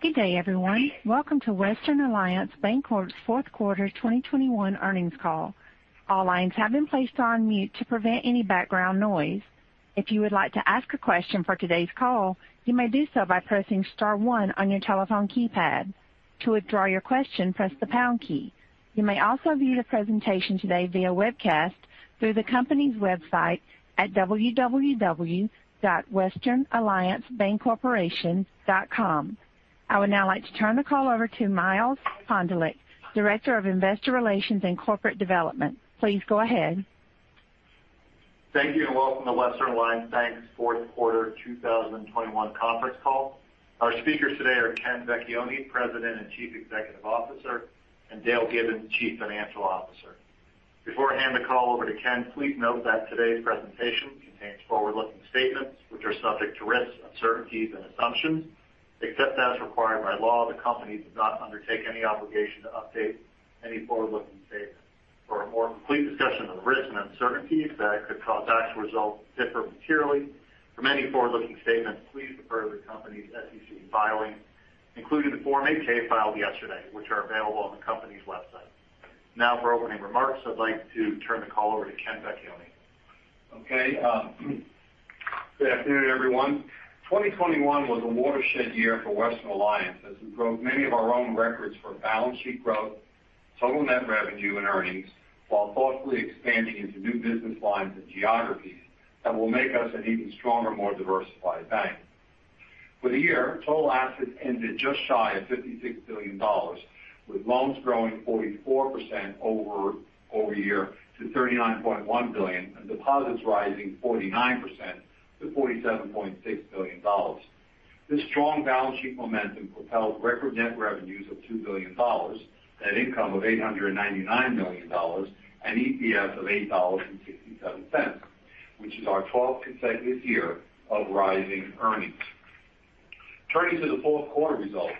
Good day, everyone. Welcome to Western Alliance Bancorporation's Fourth Quarter 2021 Earnings Call. All lines have been placed on mute to prevent any background noise. If you would like to ask a question for today's call, you may do so by pressing star one on your telephone keypad. To withdraw your question, press the pound key. You may also view the presentation today via webcast through the company's website at www.westernalliancebancorporation.com. I would now like to turn the call over to Miles Pondelik, Director of Investor Relations and Corporate Development. Please go ahead. Thank you, and welcome to Western Alliance Bank's Fourth Quarter 2021 Conference Call. Our speakers today are Ken Vecchione, President and Chief Executive Officer, and Dale Gibbons, Chief Financial Officer. Before I hand the call over to Ken, please note that today's presentation contains forward-looking statements which are subject to risks, uncertainties, and assumptions. Except as required by law, the company does not undertake any obligation to update any forward-looking statements. For a more complete discussion of the risks and uncertainties that could cause actual results to differ materially from any forward-looking statements, please refer to the company's SEC filings, including the Form 8-K filed yesterday, which are available on the company's website. Now for opening remarks, I'd like to turn the call over to Ken Vecchione. Okay, good afternoon, everyone. 2021 was a watershed year for Western Alliance as we broke many of our own records for balance sheet growth, total net revenue, and earnings, while thoughtfully expanding into new business lines and geographies that will make us an even stronger, more diversified bank. For the year, total assets ended just shy of $56 billion, with loans growing 44% year-over-year to $39.1 billion, and deposits rising 49% to $47.6 billion. This strong balance sheet momentum propelled record net revenues of $2 billion, net income of $899 million, and EPS of $8.67, which is our 12th consecutive year of rising earnings. Turning to the fourth quarter results,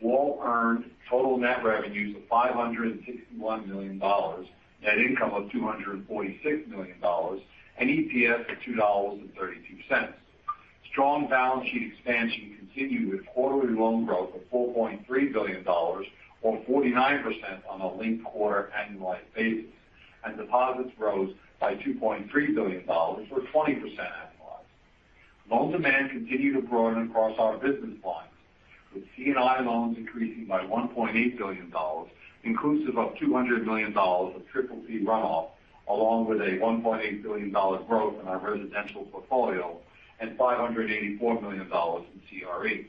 WAL earned total net revenues of $561 million, net income of $246 million, and EPS of $2.32. Strong balance sheet expansion continued with quarterly loan growth of $4.3 billion, or 49% on a linked quarter annualized basis, and deposits rose by $2.3 billion or 20% annualized. Loan demand continued to broaden across our business lines with C&I loans increasing by $1.8 billion, inclusive of $200 million of CCC runoff, along with a $1.8 billion growth in our residential portfolio and $584 million in CRE.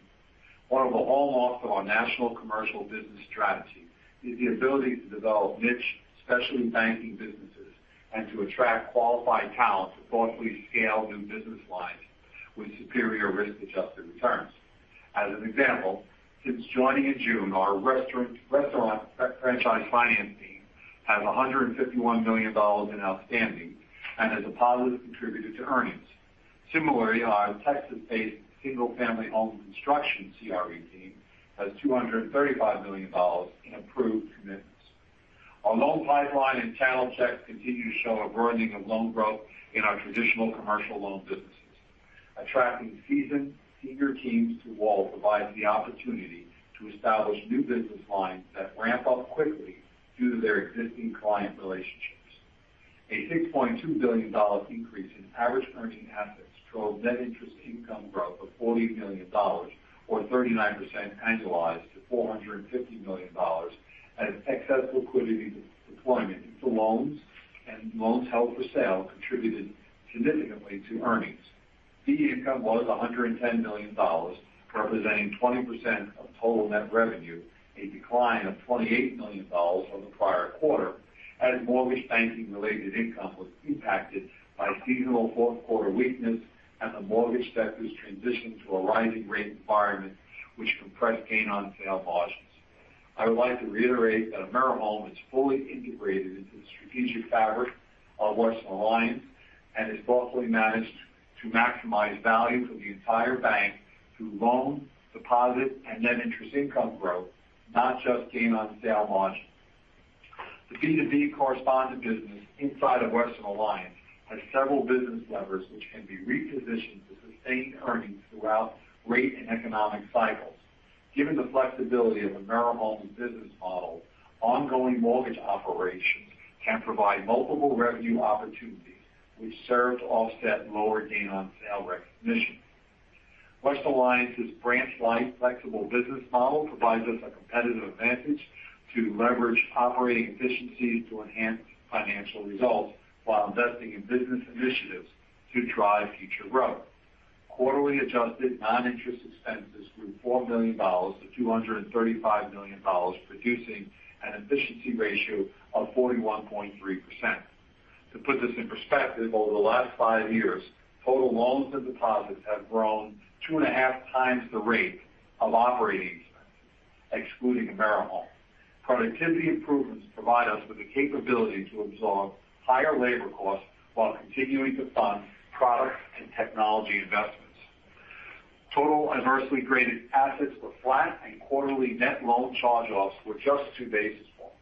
One of the hallmarks of our national commercial business strategy is the ability to develop niche specialty banking businesses and to attract qualified talent to thoughtfully scale new business lines with superior risk-adjusted returns. As an example, since joining in June, our restaurant franchise finance team has $151 million in outstanding and has positively contributed to earnings. Similarly, our Texas-based single-family home construction CRE team has $235 million in approved commitments. Our loan pipeline and talent checks continue to show a broadening of loan growth in our traditional commercial loan businesses. Attracting seasoned senior teams to WAL provides the opportunity to establish new business lines that ramp up quickly due to their existing client relationships. A $6.2 billion increase in average earning assets drove net interest income growth of $40 million or 39% annualized to $450 million, and excess liquidity deployment into loans and loans held for sale contributed significantly to earnings. Fee income was $110 million, representing 20% of total net revenue, a decline of $28 million from the prior quarter, as mortgage banking-related income was impacted by seasonal fourth quarter weakness and the mortgage sector's transition to a rising rate environment, which compressed gain on sale margins. I would like to reiterate that AmeriHome is fully integrated into the strategic fabric of Western Alliance and is thoughtfully managed to maximize value for the entire bank through loan, deposit, and net interest income growth, not just gain on sale margins. The B2B correspondent business inside of Western Alliance has several business levers which can be repositioned to sustain earnings throughout rate and economic cycles. Given the flexibility of AmeriHome's business model, ongoing mortgage operations can provide multiple revenue opportunities which serve to offset lower gain on sale recognition. Western Alliance's branch light, flexible business model provides us a competitive advantage to leverage operating efficiencies to enhance financial results while investing in business initiatives to drive future growth. Quarterly adjusted non-interest expenses grew $4 million-$235 million, producing an efficiency ratio of 41.3%. To put this in perspective, over the last five years, total loans and deposits have grown 2.5x the rate of operating expenses, excluding AmeriHome. Productivity improvements provide us with the capability to absorb higher labor costs while continuing to fund product and technology investments. Total adversely graded assets were flat, and quarterly net loan charge-offs were just two basis points.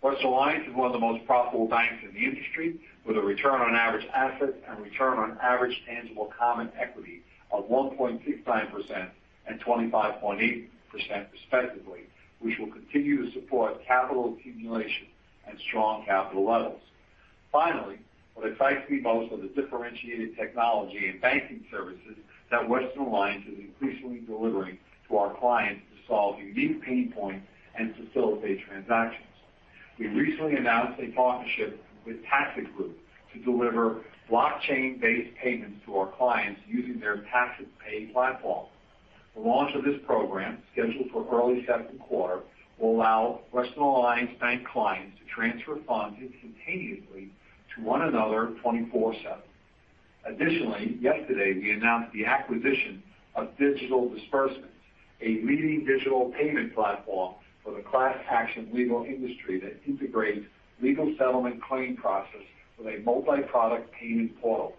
Western Alliance is one of the most profitable banks in the industry with a return on average assets and return on average tangible common equity of 1.69% and 25.8% respectively, which will continue to support capital accumulation and strong capital levels. Finally, what excites me most are the differentiated technology and banking services that Western Alliance is increasingly delivering to our clients to solve unique pain points and facilitate transactions. We recently announced a partnership with Tassat Group to deliver blockchain-based payments to our clients using their TassatPay platform. The launch of this program, scheduled for early second quarter, will allow Western Alliance Bank clients to transfer funds instantaneously to one another 24/7. Additionally, yesterday we announced the acquisition of Digital Disbursements, a leading digital payment platform for the class action legal industry that integrates legal settlement claim process with a multi-product payment portal.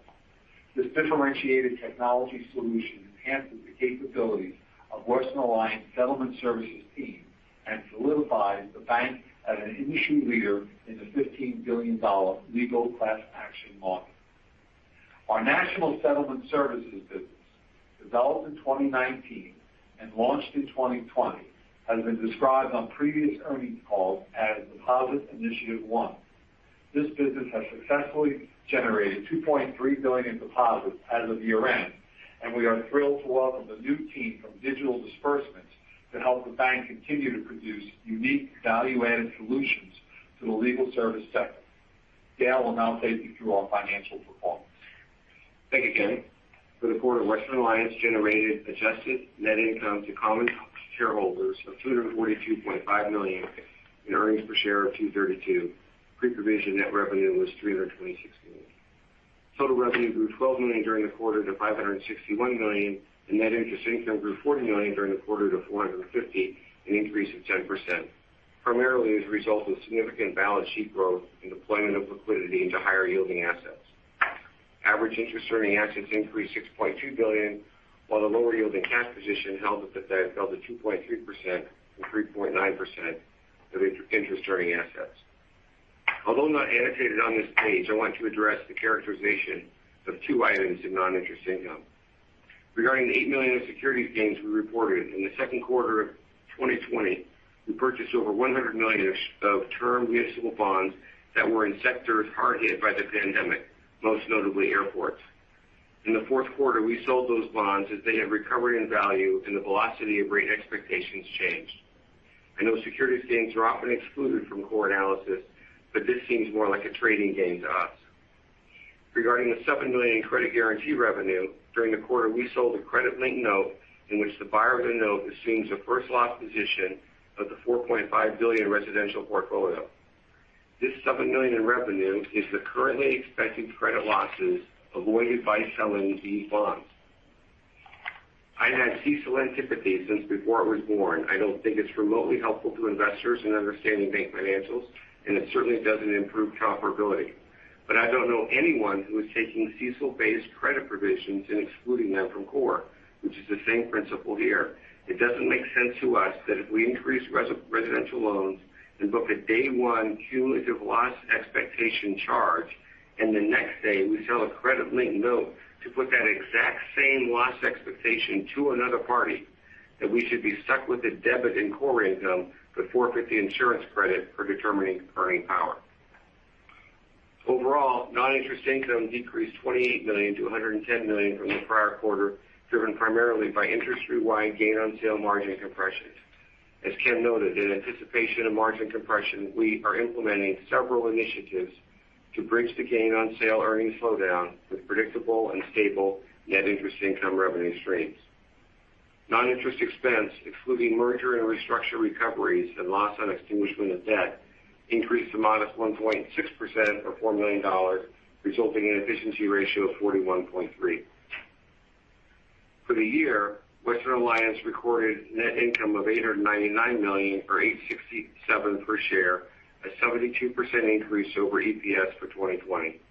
This differentiated technology solution enhances the capabilities of Western Alliance Settlement Services team and solidifies the bank as an industry leader in the $15 billion legal class action market. Our national Settlement Services business, developed in 2019 and launched in 2020, has been described on previous earnings calls as Deposit Initiative 1. This business has successfully generated $2.3 billion deposits as of year-end, and we are thrilled to welcome the new team from Digital Disbursements to help the bank continue to produce unique value-added solutions to the legal service sector. Dale will now take you through our financial performance. Thank you, Ken. For the quarter, Western Alliance generated adjusted net income to common shareholders of $242.5 million in earnings per share of $2.32. Pre-provision net revenue was $326 million. Total revenue grew $12 million during the quarter to $561 million, and net interest income grew $40 million during the quarter to $450 million, an increase of 10%. Primarily as a result of significant balance sheet growth and deployment of liquidity into higher-yielding assets. Average interest earning assets increased $6.2 billion, while the lower yielding cash position held at the Fed fell to 2.3% from 3.9% of interest-earning assets. Although not annotated on this page, I want to address the characterization of two items in non-interest income. Regarding the $8 million in securities gains we reported, in the second quarter of 2020, we purchased over $100 million of term municipal bonds that were in sectors hard hit by the pandemic, most notably airports. In the fourth quarter, we sold those bonds as they had recovered in value, and the velocity of rate expectations changed. I know securities gains are often excluded from core analysis, but this seems more like a trading gain to us. Regarding the $7 million in credit guarantee revenue, during the quarter, we sold a credit-linked note in which the buyer of the note assumes the first loss position of the $4.5 billion residential portfolio. This $7 million in revenue is the currently expected credit losses avoided by selling these bonds. I've had CECL antipathy since before it was born. I don't think it's remotely helpful to investors in understanding bank financials, and it certainly doesn't improve comparability. I don't know anyone who is taking CECL-based credit provisions and excluding them from core, which is the same principle here. It doesn't make sense to us that if we increase residential loans and book a day one cumulative loss expectation charge, and the next day we sell a credit-linked note to put that exact same loss expectation to another party, that we should be stuck with a debit in core income to forfeit the insurance credit for determining earning power. Overall, non-interest income decreased $28 million-$110 million from the prior quarter, driven primarily by industry-wide gain on sale margin compressions. As Ken noted, in anticipation of margin compression, we are implementing several initiatives to bridge the gain on sale earnings slowdown with predictable and stable net interest income revenue streams. Non-interest expense, excluding merger and restructure recoveries and loss on extinguishment of debt, increased a modest 1.6% or $4 million, resulting in efficiency ratio of 41.3%. For the year, Western Alliance recorded net income of $899 million or $8.67 per share, a 72% increase over EPS for 2020.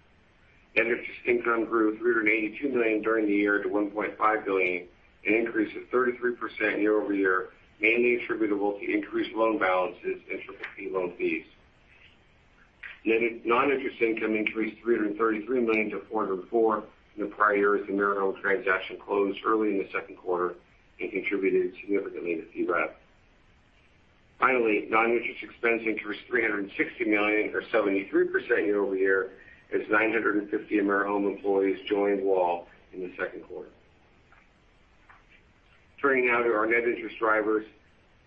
Net interest income grew $382 million during the year to $1.5 billion, an increase of 33% year-over-year, mainly attributable to increased loan balances and loan fees. Non-interest income increased $333 million-$404 million in the prior year as the AmeriHome transaction closed early in the second quarter and contributed significantly to fee rev. Finally, non-interest expense increased $360 million or 73% year-over-year as 950 AmeriHome employees joined WAL in the second quarter. Turning now to our net interest drivers.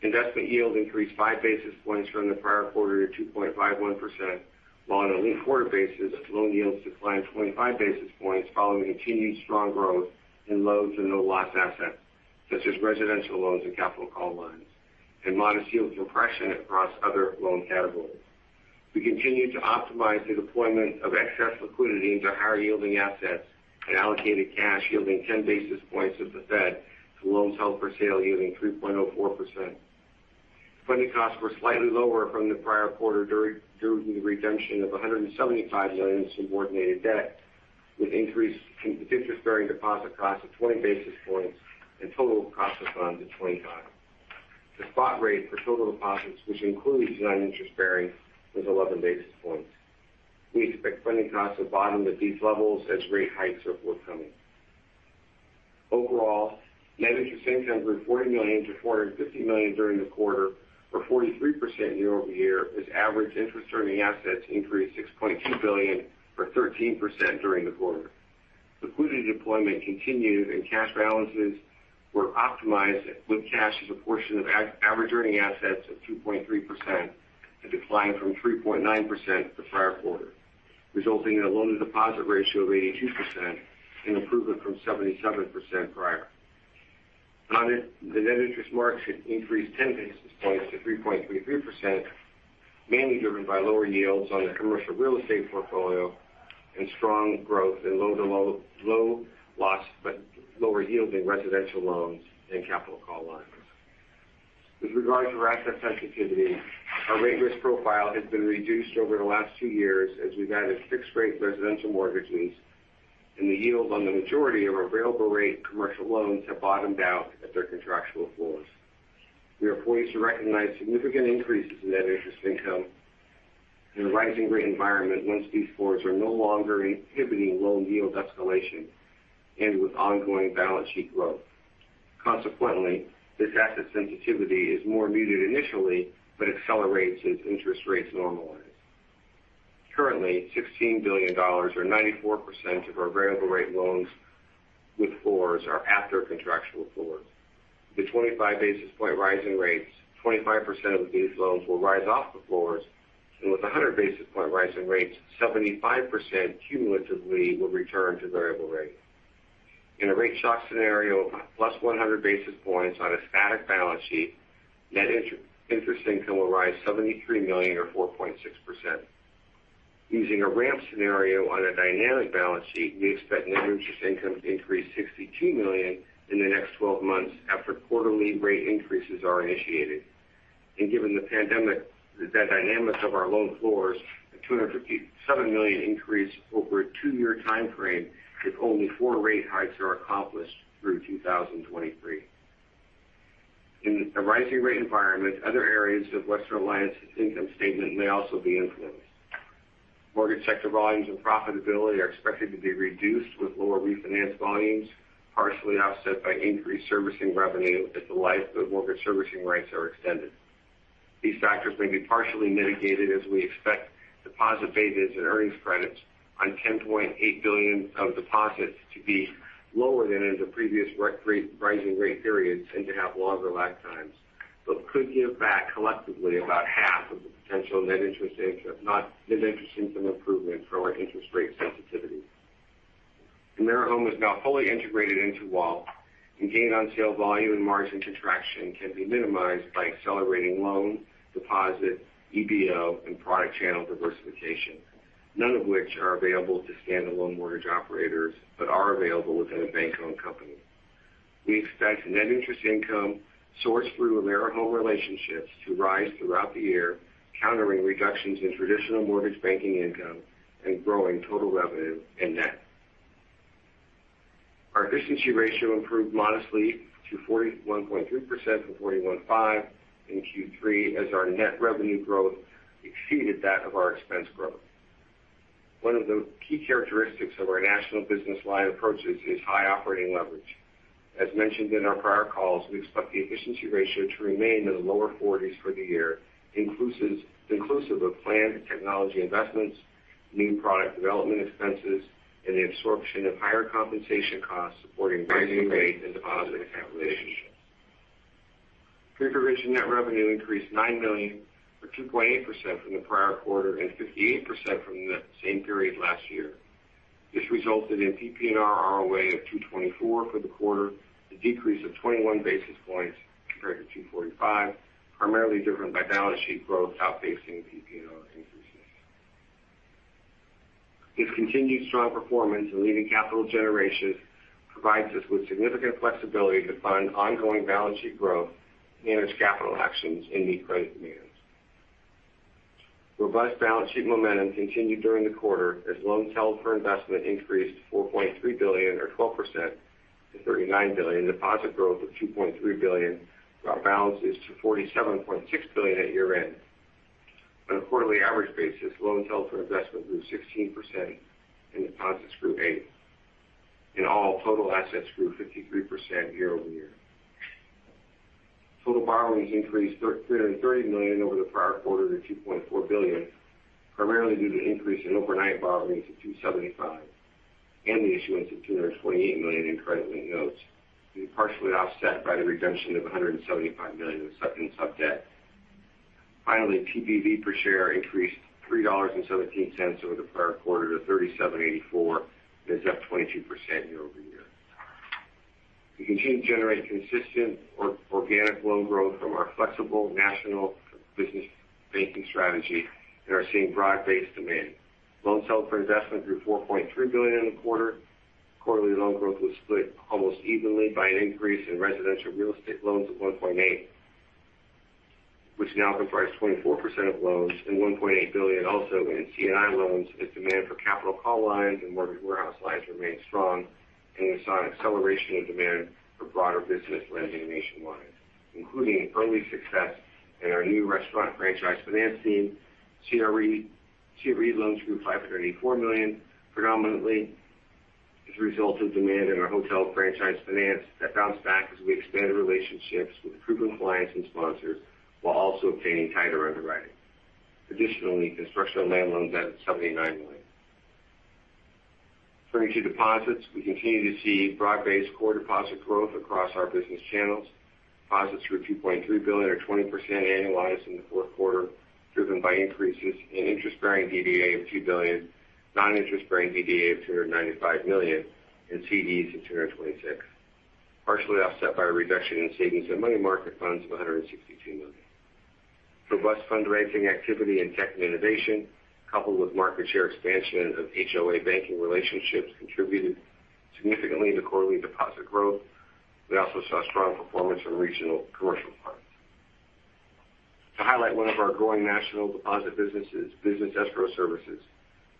Investment yield increased 5 basis points from the prior quarter to 2.51%, while on a linked-quarter basis, loan yields declined 25 basis points following continued strong growth in low-to-no loss assets, such as residential loans and capital call lines, and modest yield compression across other loan categories. We continue to optimize the deployment of excess liquidity into higher-yielding assets and allocated cash yielding 10 basis points at the Fed to loans held for sale yielding 3.04%. Funding costs were slightly lower from the prior quarter due to the redemption of $175 million in subordinated debt, with increase in interest-bearing deposit costs of 20 basis points and total cost of funds of 25 basis points. The spot rate for total deposits, which includes non-interest-bearing, was 11 basis points. We expect funding costs to bottom at these levels as rate hikes are forthcoming. Overall, net interest income grew $40 million to $450 million during the quarter, or 43% year-over-year, as average interest-earning assets increased $6.2 billion or 13% during the quarter. The liquidity deployment continued and cash balances were optimized with cash as a portion of average earning assets of 2.3%, a decline from 3.9% the prior quarter, resulting in a loan to deposit ratio of 82%, an improvement from 77% prior. The net interest margin increased 10 basis points to 3.33%, mainly driven by lower yields on the commercial real estate portfolio and strong growth in low- to low-loss, but lower yielding residential loans and capital call lines. With regard to our asset sensitivity, our rate risk profile has been reduced over the last two years as we've added fixed rate residential mortgages, and the yield on the majority of our variable rate commercial loans have bottomed out at their contractual floors. We are poised to recognize significant increases in net interest income in a rising rate environment once these floors are no longer inhibiting loan yield escalation and with ongoing balance sheet growth. Consequently, this asset sensitivity is more muted initially but accelerates as interest rates normalize. Currently, $16 billion or 94% of our variable rate loans with floors are at their contractual floors. With 25 basis point rise in rates, 25% of these loans will rise off the floors, and with 100 basis point rise in rates, 75% cumulatively will return to variable rate. In a rate shock scenario, +100 basis points on a static balance sheet, net interest income will rise $73 million or 4.6%. Using a ramp scenario on a dynamic balance sheet, we expect net interest income to increase $62 million in the next 12 months after quarterly rate increases are initiated. Given the pandemic, the dynamics of our loan floors, a $257 million increase over a two-year time frame if only four rate hikes are accomplished through 2023. In a rising rate environment, other areas of Western Alliance's income statement may also be influenced. Mortgage sector volumes and profitability are expected to be reduced with lower refinance volumes, partially offset by increased servicing revenue as the life of mortgage servicing rates are extended. These factors may be partially mitigated as we expect deposit betas and earnings credits on $10.8 billion of deposits to be lower than in the previous rising rate periods and to have longer lag times, but could give back collectively about half of the potential net interest income, not net interest income improvement from our interest rate sensitivity. AmeriHome is now fully integrated into WAL and gain on sale volume and margin contraction can be minimized by accelerating loan, deposit, EBO and product channel diversification, none of which are available to standalone mortgage operators, but are available within a bank-owned company. We expect net interest income sourced through AmeriHome relationships to rise throughout the year, countering reductions in traditional mortgage banking income and growing total revenue and net. Our efficiency ratio improved modestly to 41.3% from 41.5 in Q3 as our net revenue growth exceeded that of our expense growth. One of the key characteristics of our national business line approaches is high operating leverage. As mentioned in our prior calls, we expect the efficiency ratio to remain in the lower forties for the year, inclusive of planned technology investments, new product development expenses, and the absorption of higher compensation costs supporting rising rates and deposit account relationships. Pre-provision net revenue increased $9 million or 2.8% from the prior quarter and 58% from the same period last year. This resulted in a PPNR ROA of 2.24% for the quarter, a decrease of 21 basis points compared to 2.45%, primarily driven by balance sheet growth outpacing PPNR increases. This continued strong performance and leading capital generation provides us with significant flexibility to fund ongoing balance sheet growth, manage capital actions and meet credit demands. Robust balance sheet momentum continued during the quarter as loans held for investment increased $4.3 billion or 12% to $39 billion. Deposit growth of $2.3 billion brought balances to $47.6 billion at year-end. On a quarterly average basis, loans held for investment grew 16% and deposits grew 8%. In all, total assets grew 53% year-over-year. Total borrowings increased $330 million over the prior quarter to $2.4 billion, primarily due to an increase in overnight borrowings to $275 million and the issuance of $228 million in credit-linked notes, being partially offset by the redemption of $175 million in sub debt. Finally, TBV per share increased $3.17 over the prior quarter to $37.84, and is up 22% year-over-year. We continue to generate consistent organic loan growth from our flexible national business banking strategy and are seeing broad-based demand. Loans held for investment grew $4.3 billion in the quarter. Quarterly loan growth was split almost evenly by an increase in residential real estate loans of $1.8 billion, which now comprise 24% of loans, and $1.8 billion also in C&I loans as demand for capital call lines and mortgage warehouse lines remain strong, and we saw an acceleration in demand for broader business lending nationwide, including early success in our new restaurant franchise finance team. CRE loans grew to $584 million predominantly as a result of demand in our hotel franchise finance that bounced back as we expanded relationships with proven clients and sponsors while also obtaining tighter underwriting. Additionally, construction and land loans ended at $79 million. Turning to deposits. We continue to see broad-based core deposit growth across our business channels. Deposits grew $2.3 billion or 20% annualized in the fourth quarter, driven by increases in interest-bearing DDA of $2 billion, non-interest-bearing DDA of $295 million, and CDs of $226 million, partially offset by a reduction in savings and money market funds of $162 million. Robust fundraising activity in tech and innovation, coupled with market share expansion of HOA banking relationships contributed significantly to quarterly deposit growth. We also saw strong performance in regional commercial products. To highlight one of our growing national deposit businesses, Business Escrow Services,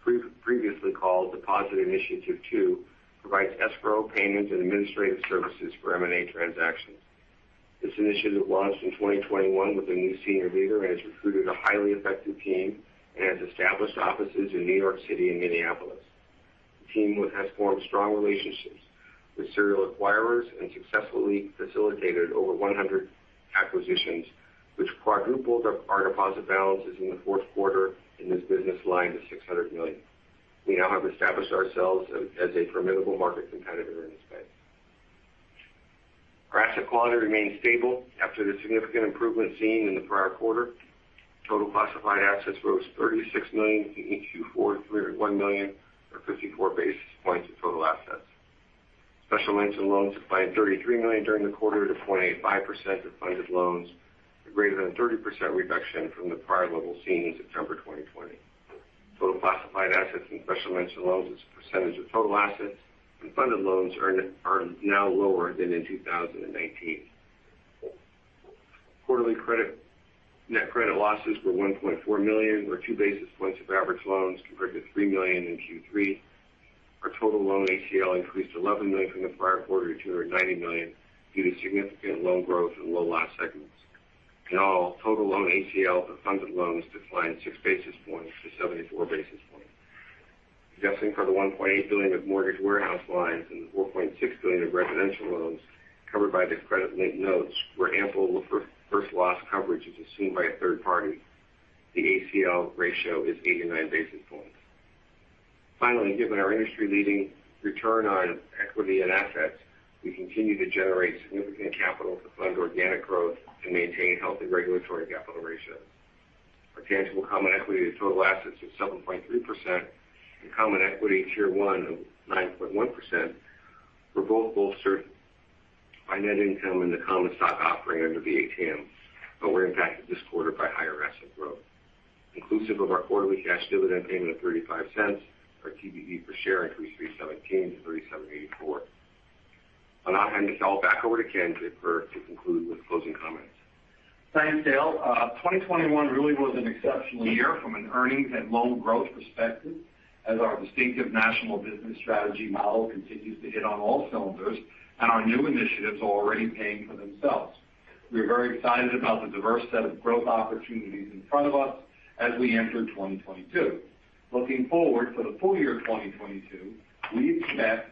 previously called Deposit Initiative 2, provides escrow, payments, and administrative services for M&A transactions. This initiative launched in 2021 with a new senior leader and has recruited a highly effective team and has established offices in New York City and Minneapolis. The team has formed strong relationships with serial acquirers and successfully facilitated over 100 acquisitions, which quadrupled our deposit balances in the fourth quarter in this business line to $600 million. We now have established ourselves as a formidable market competitor in this space. Asset quality remains stable after the significant improvement seen in the prior quarter. Total classified assets rose $36 million in Q4, $301 million, or 54 basis points of total assets. Special mention loans declined $33 million during the quarter to 0.85% of funded loans, a greater than 30% reduction from the prior level seen in September 2020. Total classified assets and special mention loans as a percentage of total assets and funded loans are now lower than in 2019. Quarterly net credit losses were $1.4 million or 2 basis points of average loans compared to $3 million in Q3. Our total loan ACL increased $11 million from the prior quarter to $290 million due to significant loan growth and low loss seconds. In all, total loan ACL for funded loans declined 6 basis points to 74 basis points. Adjusting for the $1.8 billion of mortgage warehouse lines and the $4.6 billion of residential loans covered by the credit-linked notes where ample first loss coverage is assumed by a third party, the ACL ratio is 89 basis points. Finally, given our industry-leading return on equity and assets, we continue to generate significant capital to fund organic growth and maintain healthy regulatory capital ratios. Our tangible common equity to total assets of 7.3% and common equity tier one of 9.1% were both bolstered by net income and the common stock offering under the ATM, but were impacted this quarter by higher asset growth. Inclusive of our quarterly cash dividend payment of $0.35, our TBVPS per share increased $3.70-$3.784. I'll now hand this all back over to Ken to conclude with closing comments. Thanks, Dale. 2021 really was an exceptional year from an earnings and loan growth perspective as our distinctive national business strategy model continues to hit on all cylinders and our new initiatives are already paying for themselves. We're very excited about the diverse set of growth opportunities in front of us as we enter 2022. Looking forward, for the full year 2022, we expect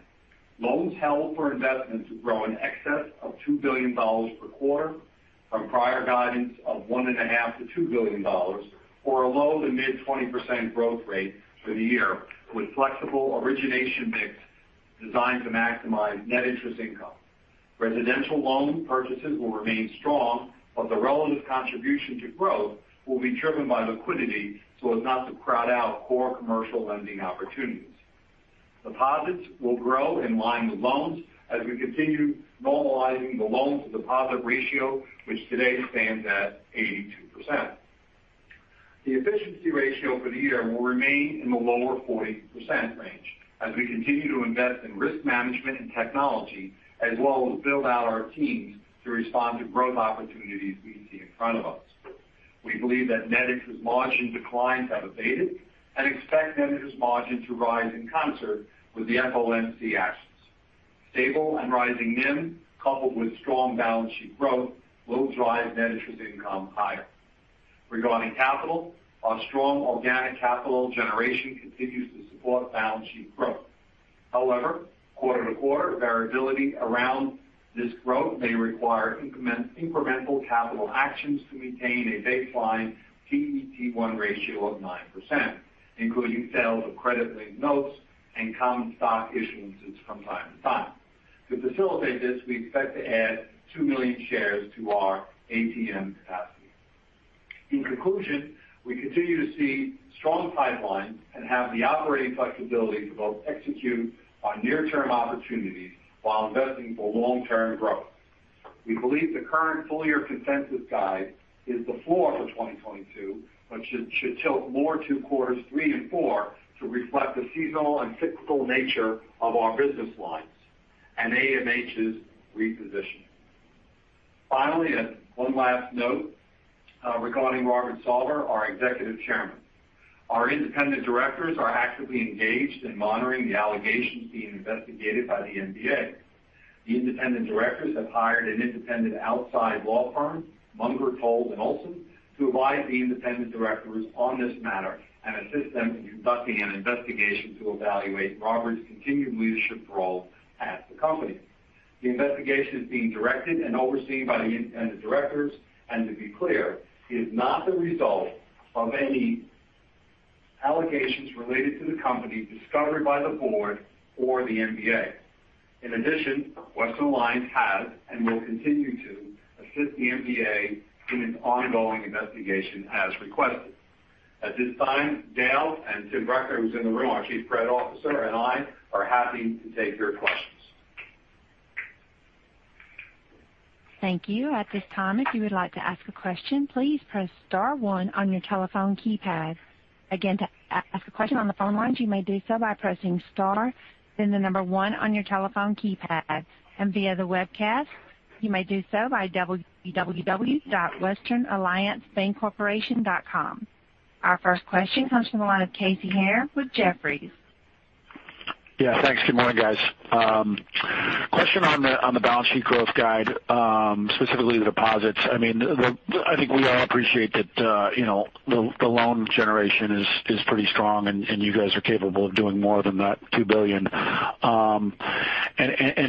loans held for investment to grow in excess of $2 billion per quarter from prior guidance of $1.5 billion-$2 billion or a low- to mid-20% growth rate for the year, with flexible origination mix designed to maximize net interest income. Residential loan purchases will remain strong, but the relative contribution to growth will be driven by liquidity so as not to crowd out core commercial lending opportunities. Deposits will grow in line with loans as we continue normalizing the loan-to-deposit ratio, which today stands at 82%. The efficiency ratio for the year will remain in the lower 40% range as we continue to invest in risk management and technology, as well as build out our teams to respond to growth opportunities we see in front of us. We believe that NIM margin declines have abated and expect NIM margin to rise in concert with the FOMC actions. Stable and rising NIM, coupled with strong balance sheet growth, will drive NII higher. Regarding capital, our strong organic capital generation continues to support balance sheet growth. However, quarter-to-quarter variability around this growth may require incremental capital actions to maintain a baseline CET1 ratio of 9%, including sales of credit-linked notes and common stock issuances from time to time. To facilitate this, we expect to add 2 million shares to our ATM capacity. In conclusion, we continue to see strong pipeline and have the operating flexibility to both execute on near-term opportunities while investing for long-term growth. We believe the current full-year consensus guide is the floor for 2022, but should tilt more to quarters three and four to reflect the seasonal and cyclical nature of our business lines and AMH's repositioning. Finally, one last note regarding Robert Sarver, our Executive Chairman. Our independent directors are actively engaged in monitoring the allegations being investigated by the NBA. The independent directors have hired an independent outside law firm, Munger, Tolles & Olson, to advise the independent directors on this matter and assist them in conducting an investigation to evaluate Robert's continued leadership role at the company. The investigation is being directed and overseen by the independent directors, and to be clear, is not the result of any allegations related to the company discovered by the board or the NBA. In addition, Western Alliance has and will continue to assist the NBA in its ongoing investigation as requested. At this time, Dale and Tim Bruckner, who's in the room, our Chief Credit Officer, and I are happy to take your questions. Thank you. At this time, if you would like to ask a question, please press star one on your telephone keypad. Again, to ask a question on the phone lines, you may do so by pressing star, then the number one on your telephone keypad. Via the webcast, you may do so by www.westernalliancebancorporation.com. Our first question comes from the line of Casey Haire with Jefferies. Yeah, thanks. Good morning, guys. Question on the balance sheet growth guide, specifically the deposits. I mean, I think we all appreciate that, you know, the loan generation is pretty strong and you guys are capable of doing more than that $2 billion.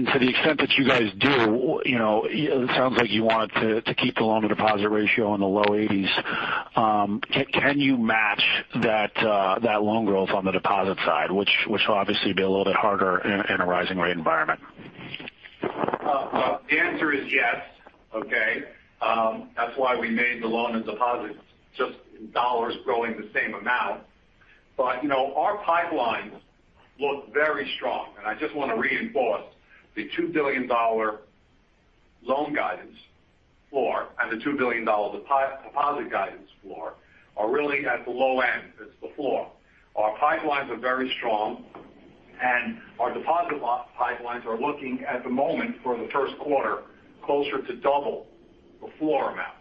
To the extent that you guys do, you know, it sounds like you want to keep the loan to deposit ratio in the low 80s%. Can you match that loan growth on the deposit side, which will obviously be a little bit harder in a rising rate environment? The answer is yes, okay? That's why we made the loans and deposits. Just dollars growing the same amount. You know, our pipelines look very strong. I just want to reinforce the $2 billion loan guidance floor and the $2 billion deposit guidance floor are really at the low end. That's the floor. Our pipelines are very strong, and our deposit pipelines are looking at the moment for the first quarter, closer to double the floor amount.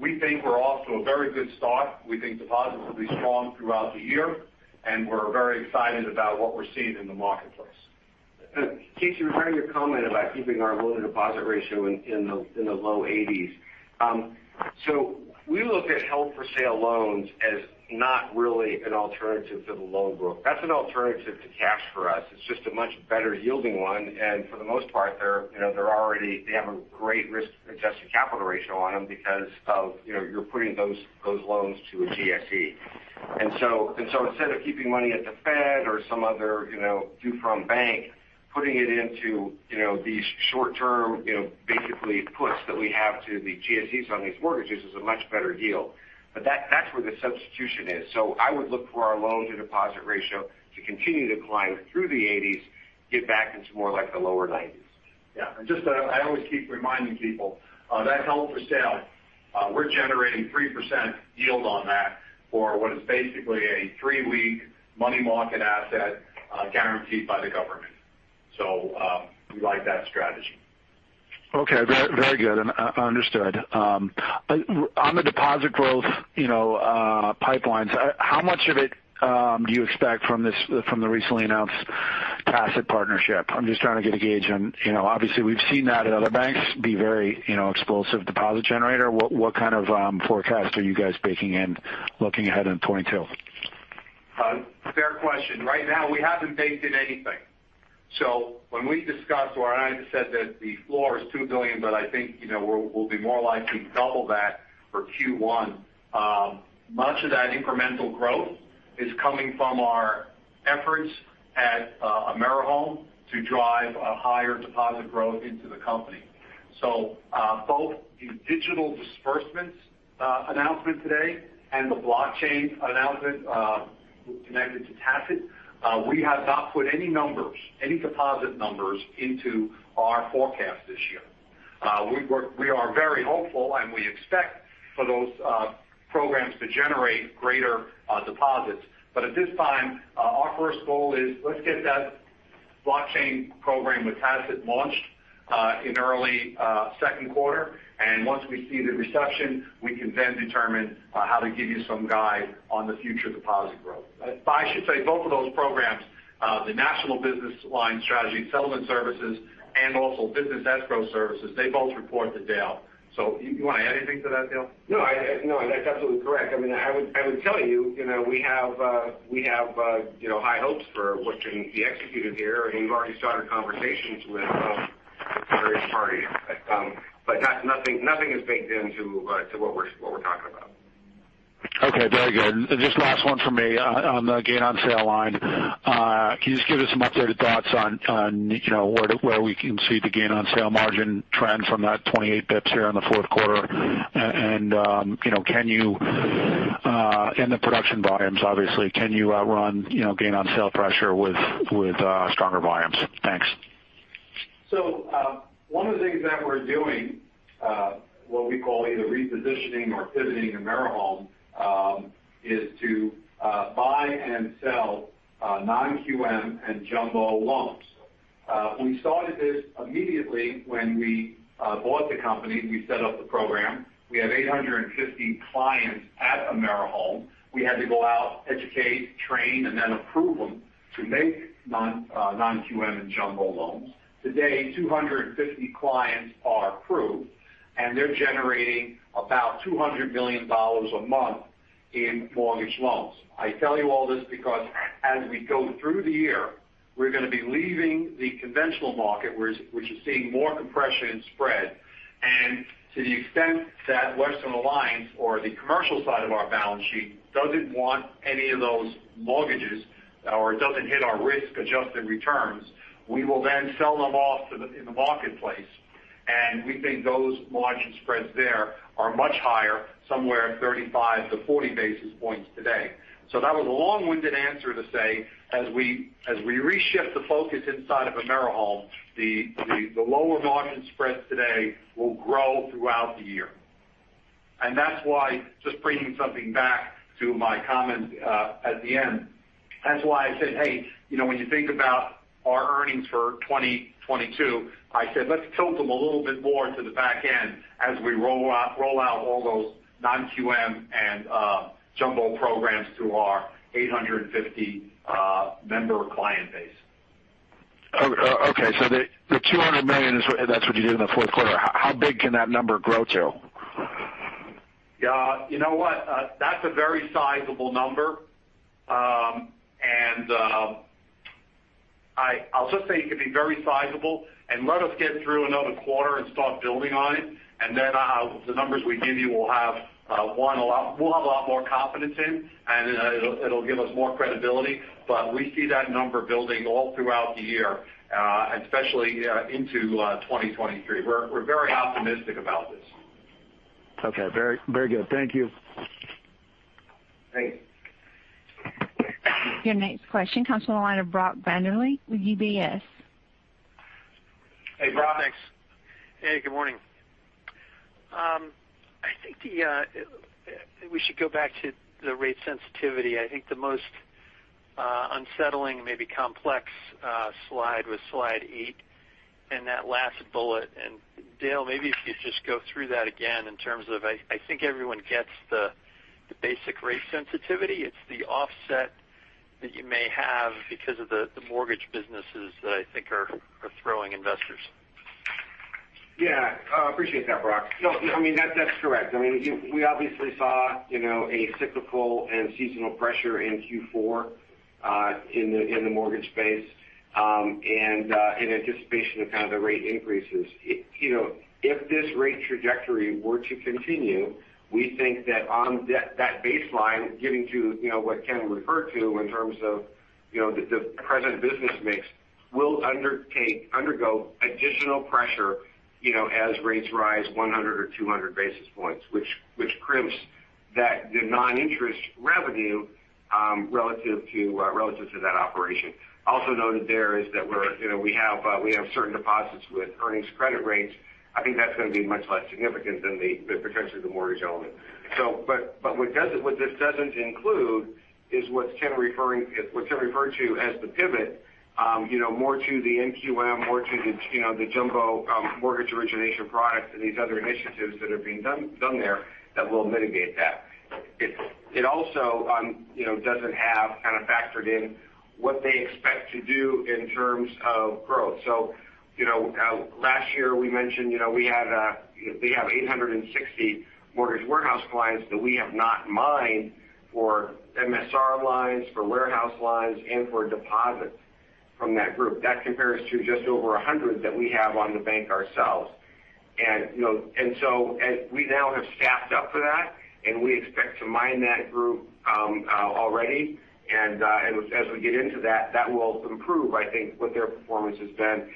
We think we're off to a very good start. We think deposits will be strong throughout the year, and we're very excited about what we're seeing in the marketplace. Casey, regarding your comment about keeping our loan to deposit ratio in the low 80s. We look at held for sale loans as not really an alternative to the loan growth. That's an alternative to cash for us. It's just a much better yielding one. For the most part, you know, they already have a great risk-adjusted capital ratio on them because, you know, you're putting those loans to a GSE. Instead of keeping money at the Fed or some other, you know, due from bank, putting it into, you know, these short-term, you know, basically puts that we have to the GSEs on these mortgages is a much better deal. That's where the substitution is. I would look for our loan to deposit ratio to continue to climb through the 80s, get back into more like the low 90s. Yeah. Just, I always keep reminding people that held for sale, we're generating 3% yield on that for what is basically a three-week money market asset, guaranteed by the government. We like that strategy. Okay. Very good. Understood. On the deposit growth, you know, pipelines, how much of it do you expect from the recently announced Tassat partnership? I'm just trying to get a gauge on, you know. Obviously, we've seen that at other banks be very, you know, explosive deposit generator. What kind of forecast are you guys baking in looking ahead in 2022? Fair question. Right now, we haven't baked in anything. When we discussed or I said that the floor is $2 billion, but I think, you know, we'll be more likely to double that for Q1. Much of that incremental growth is coming from our efforts at AmeriHome to drive a higher deposit growth into the company. Both the Digital Disbursements announcement today and the blockchain announcement connected to Tassat, we have not put any numbers, any deposit numbers into our forecast this year. We are very hopeful, and we expect for those programs to generate greater deposits. At this time, our first goal is let's get that blockchain program with Tassat launched in early second quarter. Once we see the reception, we can then determine how to give you some guide on the future deposit growth. I should say both of those programs, the national business line strategy Settlement Services and also Business Escrow Services, they both report to Dale. You want to add anything to that, Dale? No, that's absolutely correct. I mean, I would tell you know, we have you know, high hopes for what can be executed here. We've already started conversations with various parties. But nothing is baked into what we're talking about. Okay, very good. Just last one from me. On the gain on sale line, can you just give us some updated thoughts on, you know, where we can see the gain on sale margin trend from that 28 BPS here in the fourth quarter? You know, can you in the production volumes obviously run you know gain on sale pressure with stronger volumes? Thanks. One of the things that we're doing, what we call either repositioning or pivoting AmeriHome, is to buy and sell non-QM and jumbo loans. We started this immediately when we bought the company, we set up the program. We have 850 clients at AmeriHome. We had to go out, educate, train, and then approve them to make non-QM and jumbo loans. Today, 250 clients are approved, and they're generating about $200 million a month in mortgage loans. I tell you all this because as we go through the year, we're gonna be leaving the conventional market, which is seeing more compression in spread. To the extent that Western Alliance or the commercial side of our balance sheet doesn't want any of those mortgages or doesn't hit our risk-adjusted returns, we will then sell them off in the marketplace. We think those margin spreads there are much higher, somewhere 35-40 basis points today. That was a long-winded answer to say, as we reshift the focus inside of AmeriHome, the lower margin spreads today will grow throughout the year. That's why just bringing something back to my comment at the end. That's why I said, hey, you know, when you think about our earnings for 2022, I said, let's tilt them a little bit more to the back end as we roll out all those non-QM and jumbo programs to our 850 member client base. Okay. The $200 million is what, that's what you did in the fourth quarter. How big can that number grow to? Yeah. You know what? That's a very sizable number. I'll just say it could be very sizable. Let us get through another quarter and start building on it. The numbers we give you, we'll have a lot more confidence in, and it'll give us more credibility. We see that number building all throughout the year, especially into 2023. We're very optimistic about this. Okay. Very, very good. Thank you. Thanks. Your next question comes from the line of Brock Vandervliet with UBS. Hey, Brock. Thanks. Hey, good morning. I think we should go back to the rate sensitivity. I think the most unsettling, maybe complex, slide was slide eight and that last bullet. Dale, maybe if you just go through that again in terms of I think everyone gets the basic rate sensitivity. It's the offset that you may have because of the mortgage businesses that I think are throwing investors. Yeah. I appreciate that, Brock. No, I mean, that's correct. I mean, we obviously saw, you know, a cyclical and seasonal pressure in Q4, in the mortgage space, and in anticipation of kind of the rate increases. You know, if this rate trajectory were to continue, we think that on that baseline, getting to, you know, what Ken referred to in terms of the present business mix will undergo additional pressure, you know, as rates rise 100 or 200 basis points, which crimps the non-interest revenue relative to that operation. Also note there is that we're, you know, we have certain deposits with earnings credit rates. I think that's going to be much less significant than potentially the mortgage element. What this doesn't include is what Ken referred to as the pivot, more to the NQM, more to the jumbo mortgage origination products and these other initiatives that are being done there that will mitigate that. It also doesn't have kind of factored in what they expect to do in terms of growth. Last year we mentioned we have 860 mortgage warehouse clients that we have not mined for MSR lines, for warehouse lines, and for deposits from that group. That compares to just over 100 that we have on the bank ourselves. As we now have staffed up for that, and we expect to mine that group already. As we get into that will improve, I think, what their performance has been.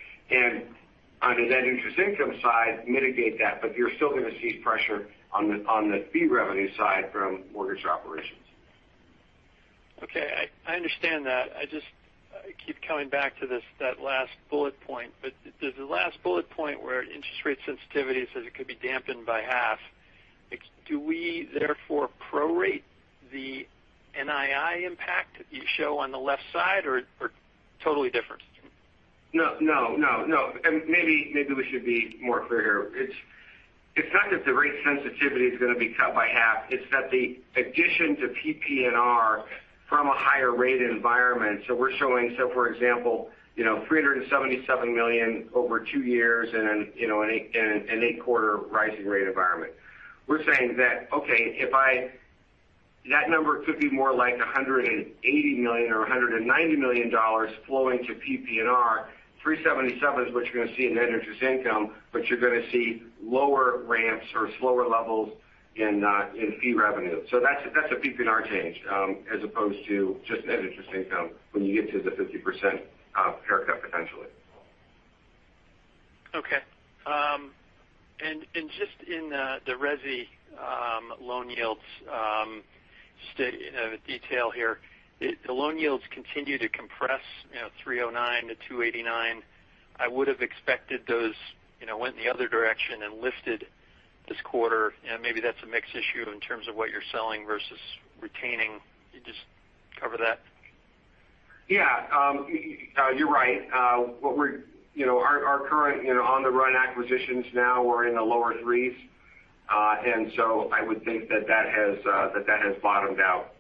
On the net interest income side, mitigate that, but you're still going to see pressure on the fee revenue side from mortgage operations. Okay. I understand that. I keep coming back to this, that last bullet point. Does the last bullet point where interest rate sensitivity says it could be dampened by half, do we therefore prorate the NII impact that you show on the left side or totally different? No. Maybe we should be more clear here. It's not that the rate sensitivity is going to be cut by half, it's that the addition to PPNR from a higher rate environment. We're showing, for example, you know, $377 million over two years and, you know, an eight-quarter rising rate environment. We're saying that, okay, that number could be more like $180 million or $190 million flowing to PPNR. 377 is what you're going to see in net interest income, but you're going to see lower ramps or slower levels in fee revenue. That's a PPNR change as opposed to just net interest income when you get to the 50% haircut potentially. Okay. Just in the resi loan yields detail here. The loan yields continue to compress, you know, 309-289. I would have expected those, you know, went in the other direction and lifted this quarter. Maybe that's a mix issue in terms of what you're selling vs retaining. Could you just cover that? Yeah, you're right. What we're, you know, our current, you know, on the run acquisitions now are in the lower threes. I would think that has bottomed out.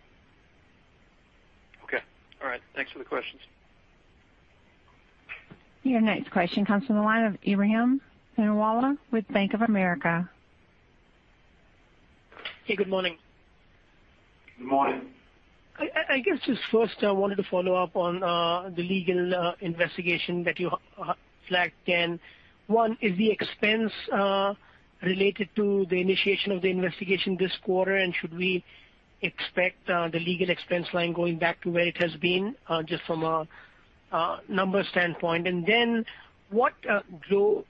Okay. All right. Thanks for the questions. Your next question comes from the line of Ebrahim Poonawala with Bank of America. Hey, good morning. Good morning. I guess just first, I wanted to follow up on the legal investigation that you flagged, Ken. One, is the expense related to the initiation of the investigation this quarter, and should we expect the legal expense line going back to where it has been just from a number standpoint? Then what drove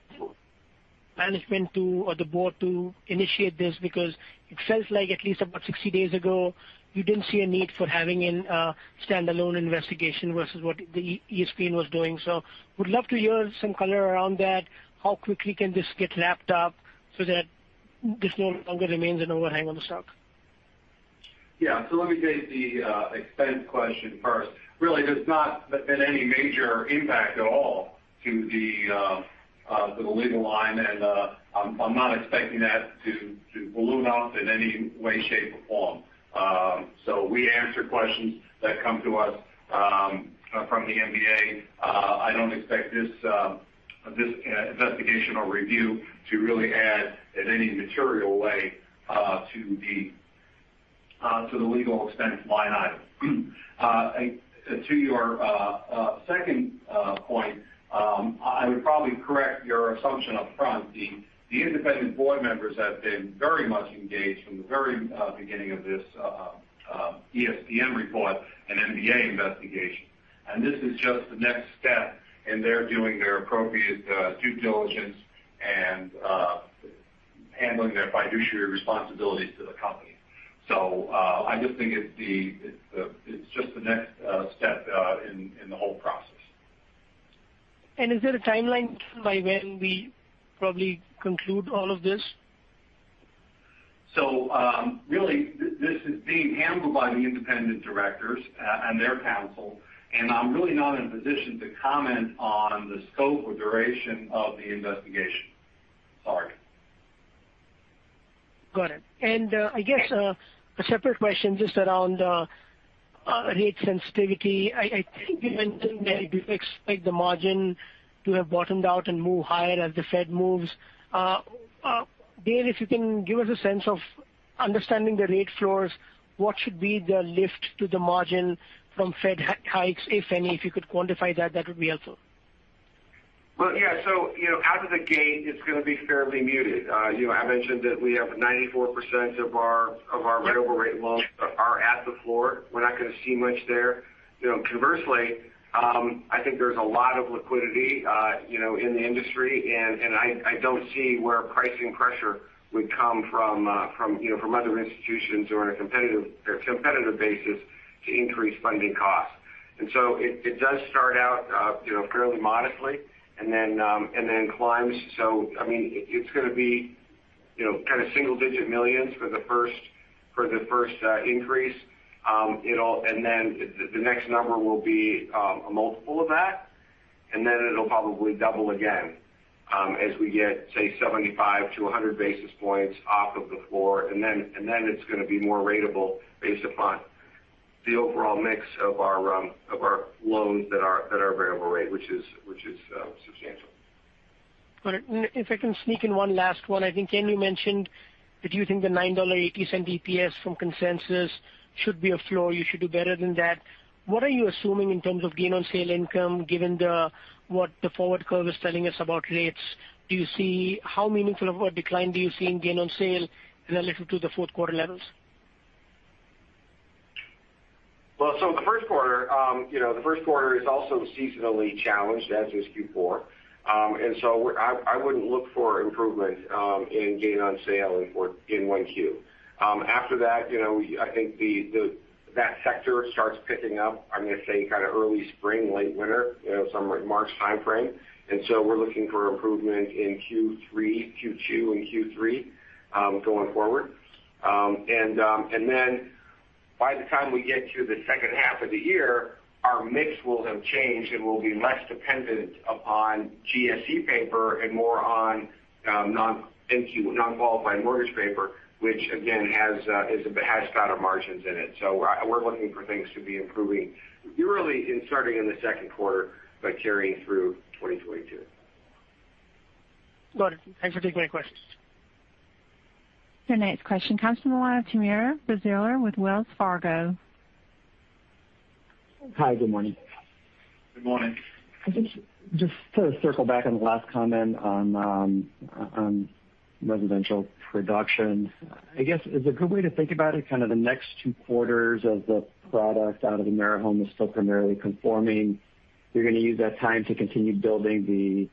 management to or the board to initiate this? Because it felt like at least about 60 days ago, you didn't see a need for having a standalone investigation vs what ESPN was doing. Would love to hear some color around that. How quickly can this get wrapped up so that this no longer remains an overhang on the stock? Yeah. Let me take the expense question first. Really, there's not been any major impact at all to the legal line. I'm not expecting that to balloon out in any way, shape, or form. We answer questions that come to us from the NBA. I don't expect this investigation or review to really add in any material way to the legal expense line item. To your second point, I would probably correct your assumption upfront. The independent board members have been very much engaged from the very beginning of this ESPN report and NBA investigation, and this is just the next step, and they're doing their appropriate due diligence and handling their fiduciary responsibilities to the company. I just think it's the next step in the whole process. Is there a timeline by when we probably conclude all of this? really, this is being handled by the independent directors, and their counsel, and I'm really not in a position to comment on the scope or duration of the investigation. Sorry. Got it. I guess a separate question just around rate sensitivity. I think you mentioned that you expect the margin to have bottomed out and move higher as the Fed moves. Dale, if you can give us a sense of understanding the rate floors, what should be the lift to the margin from Fed hikes, if any? If you could quantify that would be helpful. Well, yeah. You know, out of the gate, it's going to be fairly muted. You know, I mentioned that we have 94% of our rate over rate loans are at the floor. We're not going to see much there. You know, conversely, I think there's a lot of liquidity, you know, in the industry. And I don't see where pricing pressure would come from other institutions or in a competitive basis to increase funding costs. It does start out, you know, fairly modestly and then climbs. I mean, it's going to be, you know, kind of single-digit millions for the first increase. The next number will be a multiple of that, and then it'll probably double again as we get, say, 75-100 basis points off of the floor. It's going to be more ratable based upon the overall mix of our loans that are variable rate, which is substantial. Got it. If I can sneak in one last one. I think, Ken, you mentioned that you think the $9.80 EPS from consensus should be a floor. You should do better than that. What are you assuming in terms of gain on sale income given the, what the forward curve is telling us about rates? Do you see how meaningful of a decline do you see in gain on sale relative to the fourth quarter levels? The first quarter, you know, the first quarter is also seasonally challenged, as is Q4. I wouldn't look for improvement in gain on sale in Q1. After that, you know, I think that sector starts picking up. I'm going to say kind of early spring, late winter, you know, some March timeframe. We're looking for improvement in Q3, Q2, and Q3 going forward. By the time we get to the second half of the year, our mix will have changed, and we'll be less dependent upon GSE paper and more on non-Q, non-qualified mortgage paper, which again has fatter margins in it. We're looking for things to be improving early in starting in the second quarter, but carrying through 2022. Got it. Thanks for taking my questions. Your next question comes from the line of Timur Braziler with Wells Fargo. Hi. Good morning. Good morning. I think just to circle back on the last comment on residential production. I guess is a good way to think about it kind of the next two quarters of the product out of the AmeriHome is still primarily conforming? You're gonna use that time to continue building the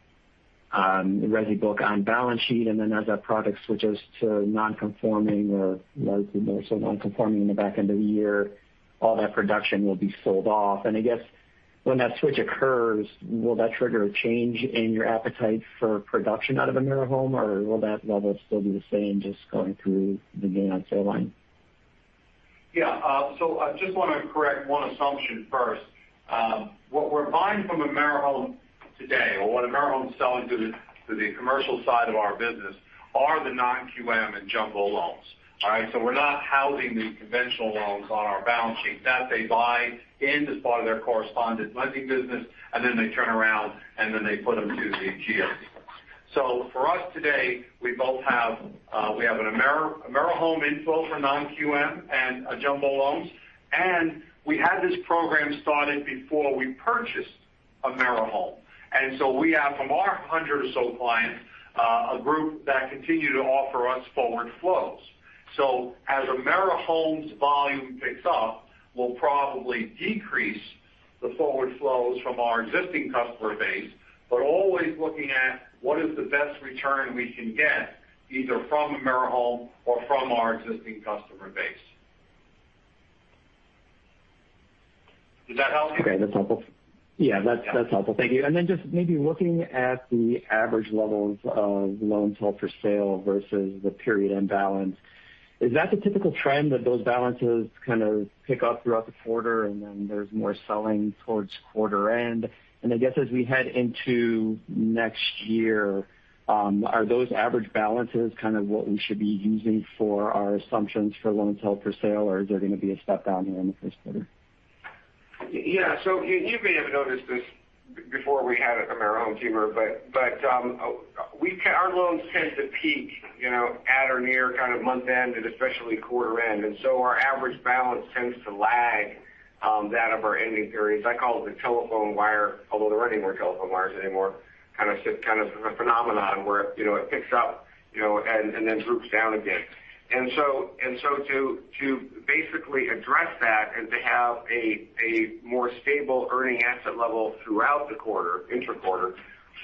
resi book on balance sheet, and then as that product switches to non-conforming or likely more so non-conforming in the back end of the year, all that production will be sold off. I guess when that switch occurs, will that trigger a change in your appetite for production out of AmeriHome, or will that level still be the same just going through the gain on sale line? Yeah. I just wanna correct one assumption first. What we're buying from AmeriHome today or what AmeriHome is selling to the commercial side of our business are the non-QM and jumbo loans. All right? We're not housing the conventional loans on our balance sheet that they buy in as part of their correspondent lending business, and then they turn around and then they put them to the GSE. For us today, we have an AmeriHome flow for non-QM and jumbo loans. We had this program started before we purchased AmeriHome. We have from our 100 or so clients a group that continue to offer us forward flows. As AmeriHome's volume picks up, we'll probably decrease the forward flows from our existing customer base, but always looking at what is the best return we can get either from AmeriHome or from our existing customer base. Did that help? Okay, that's helpful. Yeah, that's helpful. Thank you. Just maybe looking at the average levels of loans held for sale vs the period end balance. Is that the typical trend that those balances kind of pick up throughout the quarter, and then there's more selling towards quarter end? I guess as we head into next year, are those average balances kind of what we should be using for our assumptions for loans held for sale, or is there gonna be a step down here in the first quarter? Yeah. You may have noticed this before we had AmeriHome, Timur, but our loans tend to peak, you know, at or near kind of month end and especially quarter end. Our average balance tends to lag that of our ending periods. I call it the telephone wire, although there aren't any more telephone wires anymore, kind of a phenomenon where, you know, it picks up, you know, and then droops down again. To basically address that and to have a more stable earning asset level throughout the quarter, intra-quarter,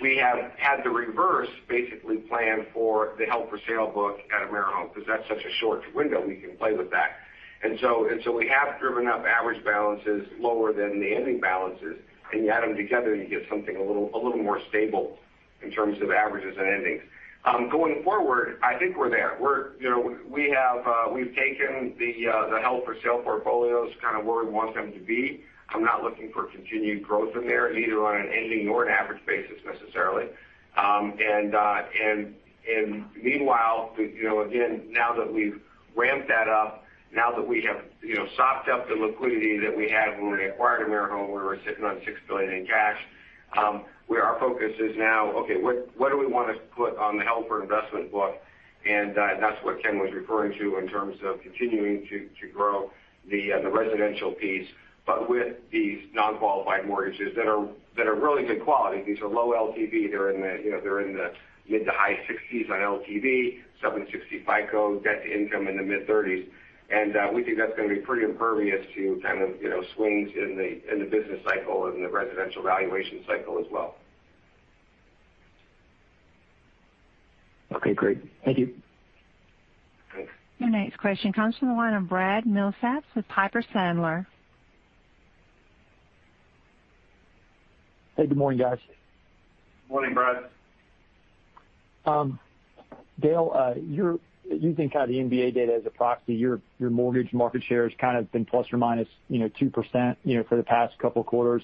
we have had the reverse basically plan for the held for sale book at AmeriHome 'cause that's such a short window we can play with that. We have driven up average balances lower than the ending balances, and you add them together, and you get something a little more stable in terms of averages and endings. Going forward, I think we're there. You know, we have we've taken the held for sale portfolios kind of where we want them to be. I'm not looking for continued growth in there neither on an ending nor an average basis necessarily. And meanwhile, you know, again, now that we've ramped that up, now that we have, you know, sopped up the liquidity that we had when we acquired AmeriHome, where we're sitting on $6 billion in cash, where our focus is now, okay, what do we wanna put on the held for investment book? That's what Ken was referring to in terms of continuing to grow the residential piece, but with these non-qualified mortgages that are really good quality. These are low LTV. They're in the mid- to high 60s on LTV, 760 FICO, debt to income in the mid-30s. We think that's gonna be pretty impervious to swings in the business cycle and the residential valuation cycle as well. Okay, great. Thank you. Thanks. Your next question comes from the line of Brad Milsaps with Piper Sandler. Hey, good morning, guys. Morning, Brad. Dale, you're using kind of the MBA data as a proxy, your mortgage market share has kind of been ±2%, you know, for the past couple quarters.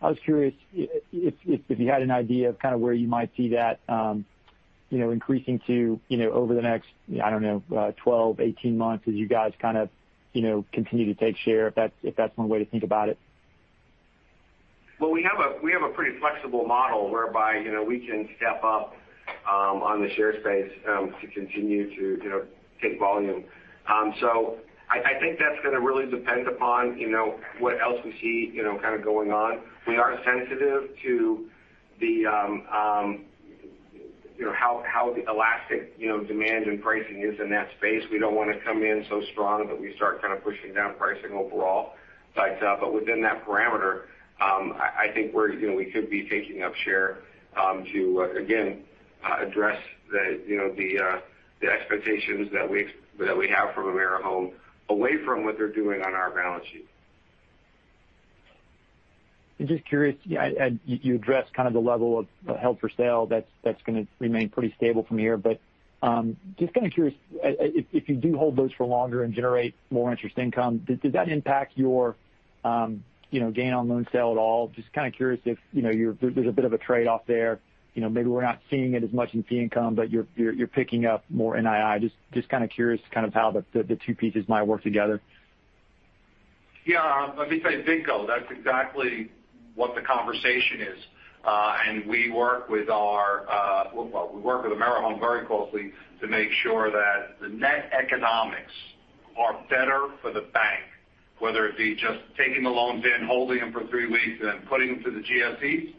I was curious if you had an idea of kind of where you might see that, you know, increasing to, you know, over the next, I don't know, 12, 18 months as you guys kind of, you know, continue to take share, if that's one way to think about it. Well, we have a pretty flexible model whereby, you know, we can step up on the share space to continue to, you know, take volume. I think that's gonna really depend upon, you know, what else we see, you know, kind of going on. We are sensitive to you know, how elastic, you know, demand and pricing is in that space. We don't wanna come in so strong that we start kind of pushing down pricing overall. Within that parameter, I think we could be taking up share to again address the, you know, expectations that we have from AmeriHome away from what they're doing on our balance sheet. Just curious. Yeah, you addressed kind of the level of held for sale that's gonna remain pretty stable from here. Just kind of curious, if you do hold those for longer and generate more interest income, does that impact your, you know, gain on sale at all? Just kind of curious if, you know, there's a bit of a trade-off there. You know, maybe we're not seeing it as much in fee income, but you're picking up more NII. Just kind of curious kind of how the two pieces might work together. Yeah. Let me tell you, they do. That's exactly what the conversation is. We work with AmeriHome very closely to make sure that the net economics are better for the bank, whether it be just taking the loans in, holding them for three weeks, and then putting them to the GSEs.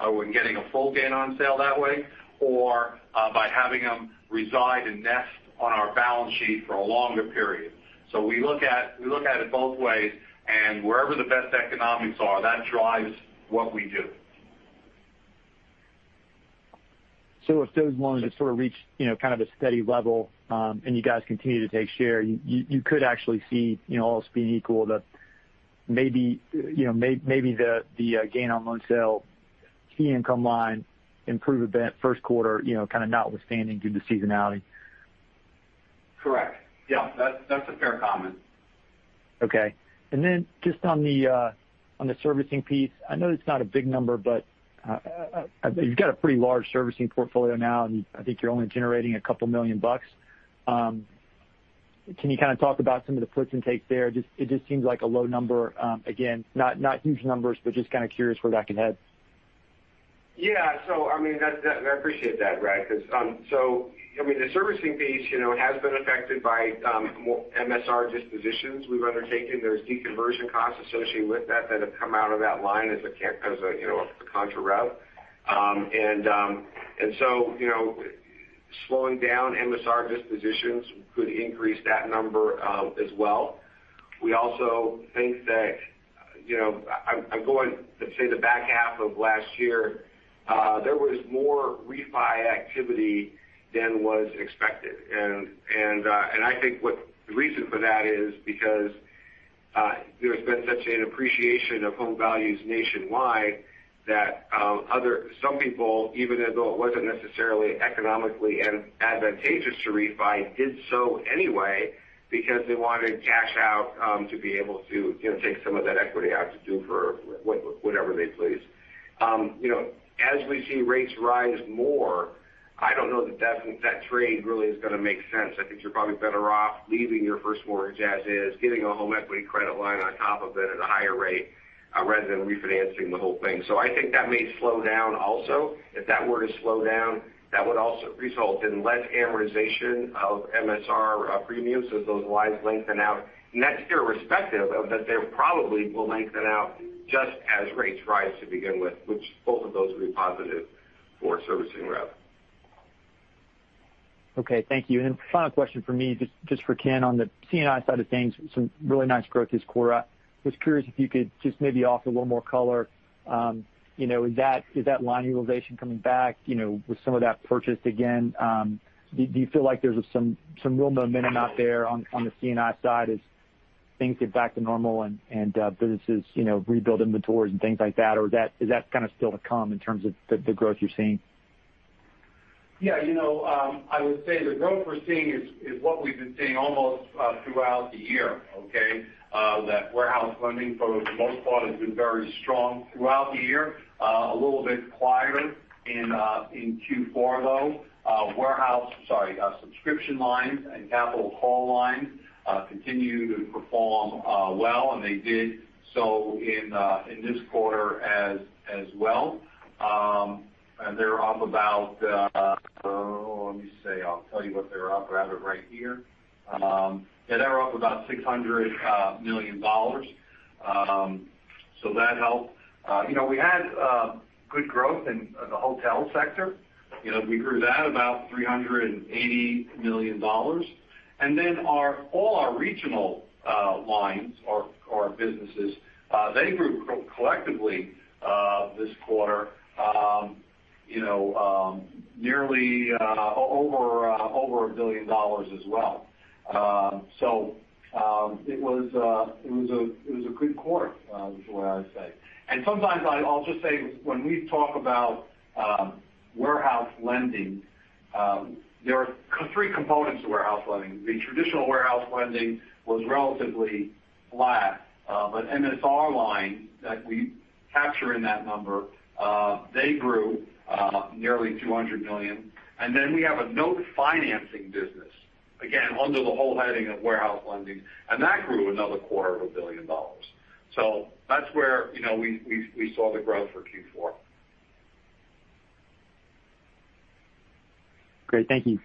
Oh, and getting a full gain on sale that way or by having them reside and rest on our balance sheet for a longer period. We look at it both ways, and wherever the best economics are, that drives what we do. If those loans sort of reach, you know, kind of a steady level, and you guys continue to take share, you could actually see, you know, all else being equal, that maybe the gain on sale fee income line improve a bit, first quarter, you know, kind of notwithstanding due to seasonality. Correct. Yeah. That's a fair comment. Okay. Just on the servicing piece, I know it's not a big number, but you've got a pretty large servicing portfolio now, and I think you're only generating $2 million. Can you kind of talk about some of the puts and takes there? It just seems like a low number. Again, not huge numbers, but just kind of curious where that can head. I mean, I appreciate that, Brad, because I mean, the servicing piece, you know, has been affected by MSR dispositions we've undertaken. There's deconversion costs associated with that that have come out of that line as a, you know, contra rev. You know, slowing down MSR dispositions could increase that number, as well. We also think that, you know, I'm going to say the back half of last year, there was more refi activity than was expected. I think what the reason for that is because there's been such an appreciation of home values nationwide that some people, even though it wasn't necessarily economically advantageous to refi, did so anyway because they wanted cash out to be able to, you know, take some of that equity out to do for whatever they please. You know, as we see rates rise more, I don't know that trade really is going to make sense. I think you're probably better off leaving your first mortgage as is, getting a home equity credit line on top of it at a higher rate rather than refinancing the whole thing. I think that may slow down also. If that were to slow down, that would also result in less amortization of MSR premiums as those lines lengthen out. That's irrespective of that they probably will lengthen out just as rates rise to begin with, which both of those will be positive for servicing rev. Okay. Thank you. Final question for me, just for Ken on the C&I side of things, some really nice growth this quarter. Just curious if you could just maybe offer a little more color. You know, is that line utilization coming back, you know, with some of that purchase again? Do you feel like there's some real momentum out there on the C&I side as things get back to normal and businesses, you know, rebuild inventories and things like that? Or is that kind of still to come in terms of the growth you're seeing? Yeah. You know, I would say the growth we're seeing is what we've been seeing almost throughout the year, okay? That warehouse lending for the most part has been very strong throughout the year. A little bit quieter in Q4, though. Subscription lines and capital call lines continue to perform well, and they did so in this quarter as well. They're up about, let me see. I'll tell you what they're up, rather, right here. Yeah, they're up about $600 million. So that helped. You know, we had good growth in the hotel sector. You know, we grew that about $380 million. All our regional lines or businesses they grew collectively this quarter, you know, nearly over $1 billion as well. It was a good quarter is what I would say. Sometimes I'll just say when we talk about warehouse lending there are three components to warehouse lending. The traditional warehouse lending was relatively flat. MSR line that we capture in that number they grew nearly $200 million. We have a note financing business, again, under the whole heading of warehouse lending, and that grew another quarter of $1 billion. That's where you know we saw the growth for Q4. Great. Thank you.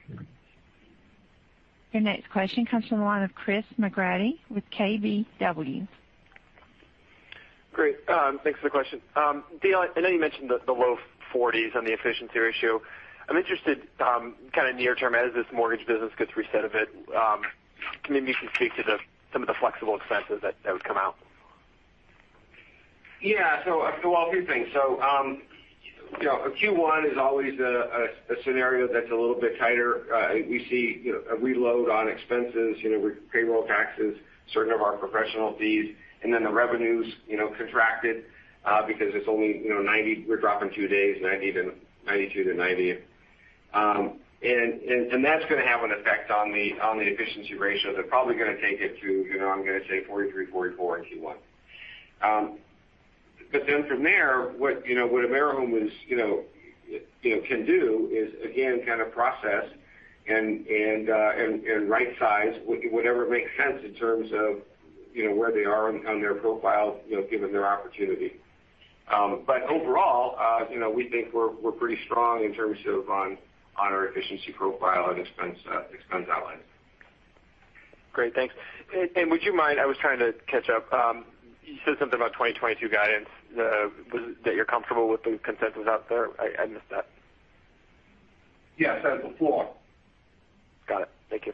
Your next question comes from the line of Chris McGratty with KBW. Great. Thanks for the question. Dale, I know you mentioned the low 40s on the efficiency ratio. I'm interested, kind of near term as this mortgage business gets reset a bit, maybe you can speak to some of the flexible expenses that would come out. Yeah. A few things. Q1 is always a scenario that's a little bit tighter. We see a reload on expenses, you know, payroll taxes, certain of our professional fees, and then the revenues contracted because it's only 92-90. That's going to have an effect on the efficiency ratio. They're probably going to take it to 43%-44% in Q1. Then from there, what AmeriHome can do is again kind of process and right size whatever makes sense in terms of where they are on their profile given their opportunity. Overall, you know, we think we're pretty strong in terms of on our efficiency profile and expense outline. Great. Thanks. Would you mind, I was trying to catch up. You said something about 2022 guidance, was it that you're comfortable with the consensus out there? I missed that. Yeah. I said it before. Got it. Thank you.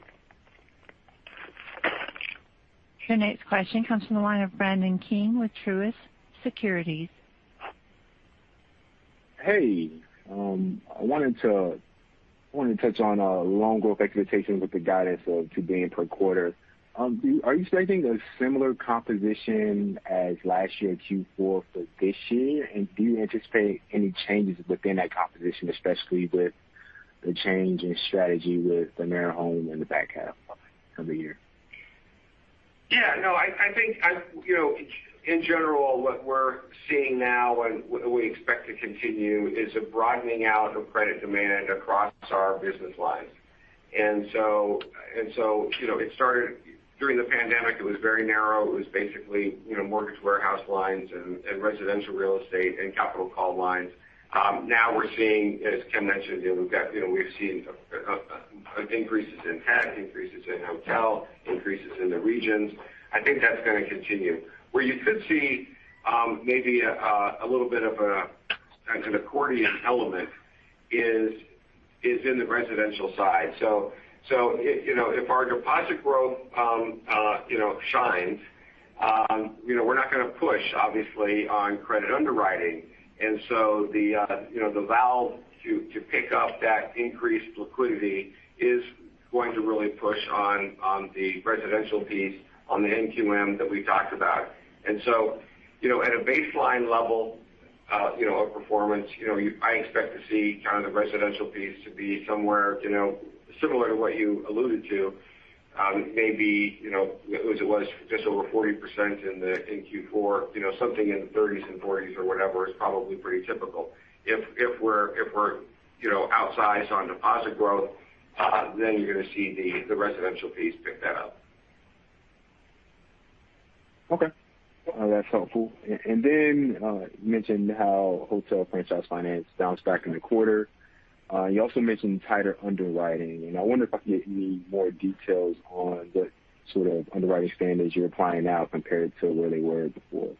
Your next question comes from the line of Brandon King with Truist Securities. Hey. I wanted to touch on loan growth expectations with the guidance of $2 billion per quarter. Are you expecting a similar composition as last year Q4 for this year? Do you anticipate any changes within that composition, especially with the change in strategy with AmeriHome in the back half of the year? No, I think you know, in general, what we're seeing now and we expect to continue is a broadening out of credit demand across our business lines. You know, it started during the pandemic. It was very narrow. It was basically, you know, mortgage warehouse lines and residential real estate and capital call lines. Now we're seeing, as Ken mentioned, you know, increases in tech, increases in hotel, increases in the regions. I think that's gonna continue. Where you could see maybe a little bit of a kind of accordion element is in the residential side. You know, if our deposit growth shines, you know, we're not gonna push obviously on credit underwriting. The valve to pick up that increased liquidity is going to really push on the residential piece on the NQM that we talked about. You know, at a baseline level of performance, you know, I expect to see kind of the residential piece to be somewhere, you know, similar to what you alluded to. Maybe, you know, it was just over 40% in Q4. You know, something in the 30s and 40s or whatever is probably pretty typical. If we're you know, outsized on deposit growth, then you're gonna see the residential piece pick that up. Okay. That's helpful. You mentioned how hotel franchise finance bounced back in the quarter. You also mentioned tighter underwriting, and I wonder if I can get any more details on what sort of underwriting standards you're applying now compared to where they were before.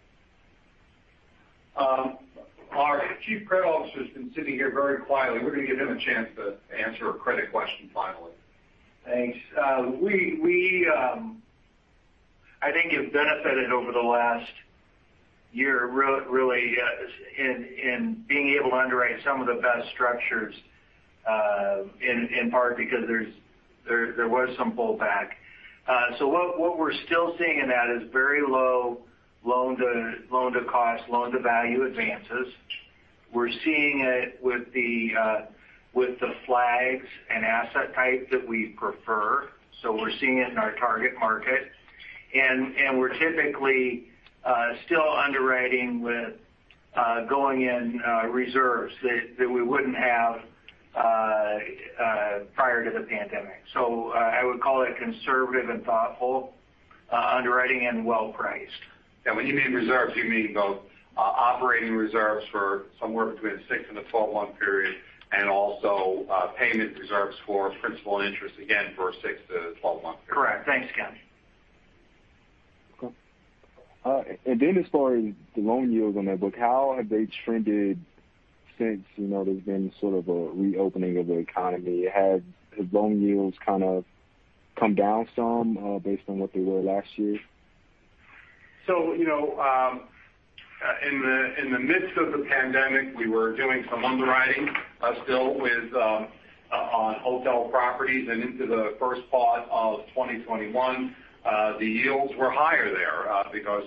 Our Chief Credit Officer's been sitting here very quietly. We're gonna give him a chance to answer a credit question finally. Thanks. We, I think, have benefited over the last year really in being able to underwrite some of the best structures in part because there was some pullback. What we're still seeing in that is very low loan to cost, loan to value advances. We're seeing it with the flags and asset type that we prefer. We're seeing it in our target market. We're typically still underwriting with going in reserves that we wouldn't have prior to the pandemic. I would call it conservative and thoughtful underwriting and well-priced. When you mean reserves, you mean both operating reserves for somewhere between a six- and a 12-month period, and also payment reserves for principal and interest, again, for a six- to 12-month period. Correct. Thanks, Ken. Okay. As far as the loan yields on that book, how have they trended since, you know, there's been sort of a reopening of the economy? Have the loan yields kind of come down some, based on what they were last year? You know, in the midst of the pandemic, we were doing some underwriting still on hotel properties. Into the first part of 2021, the yields were higher there because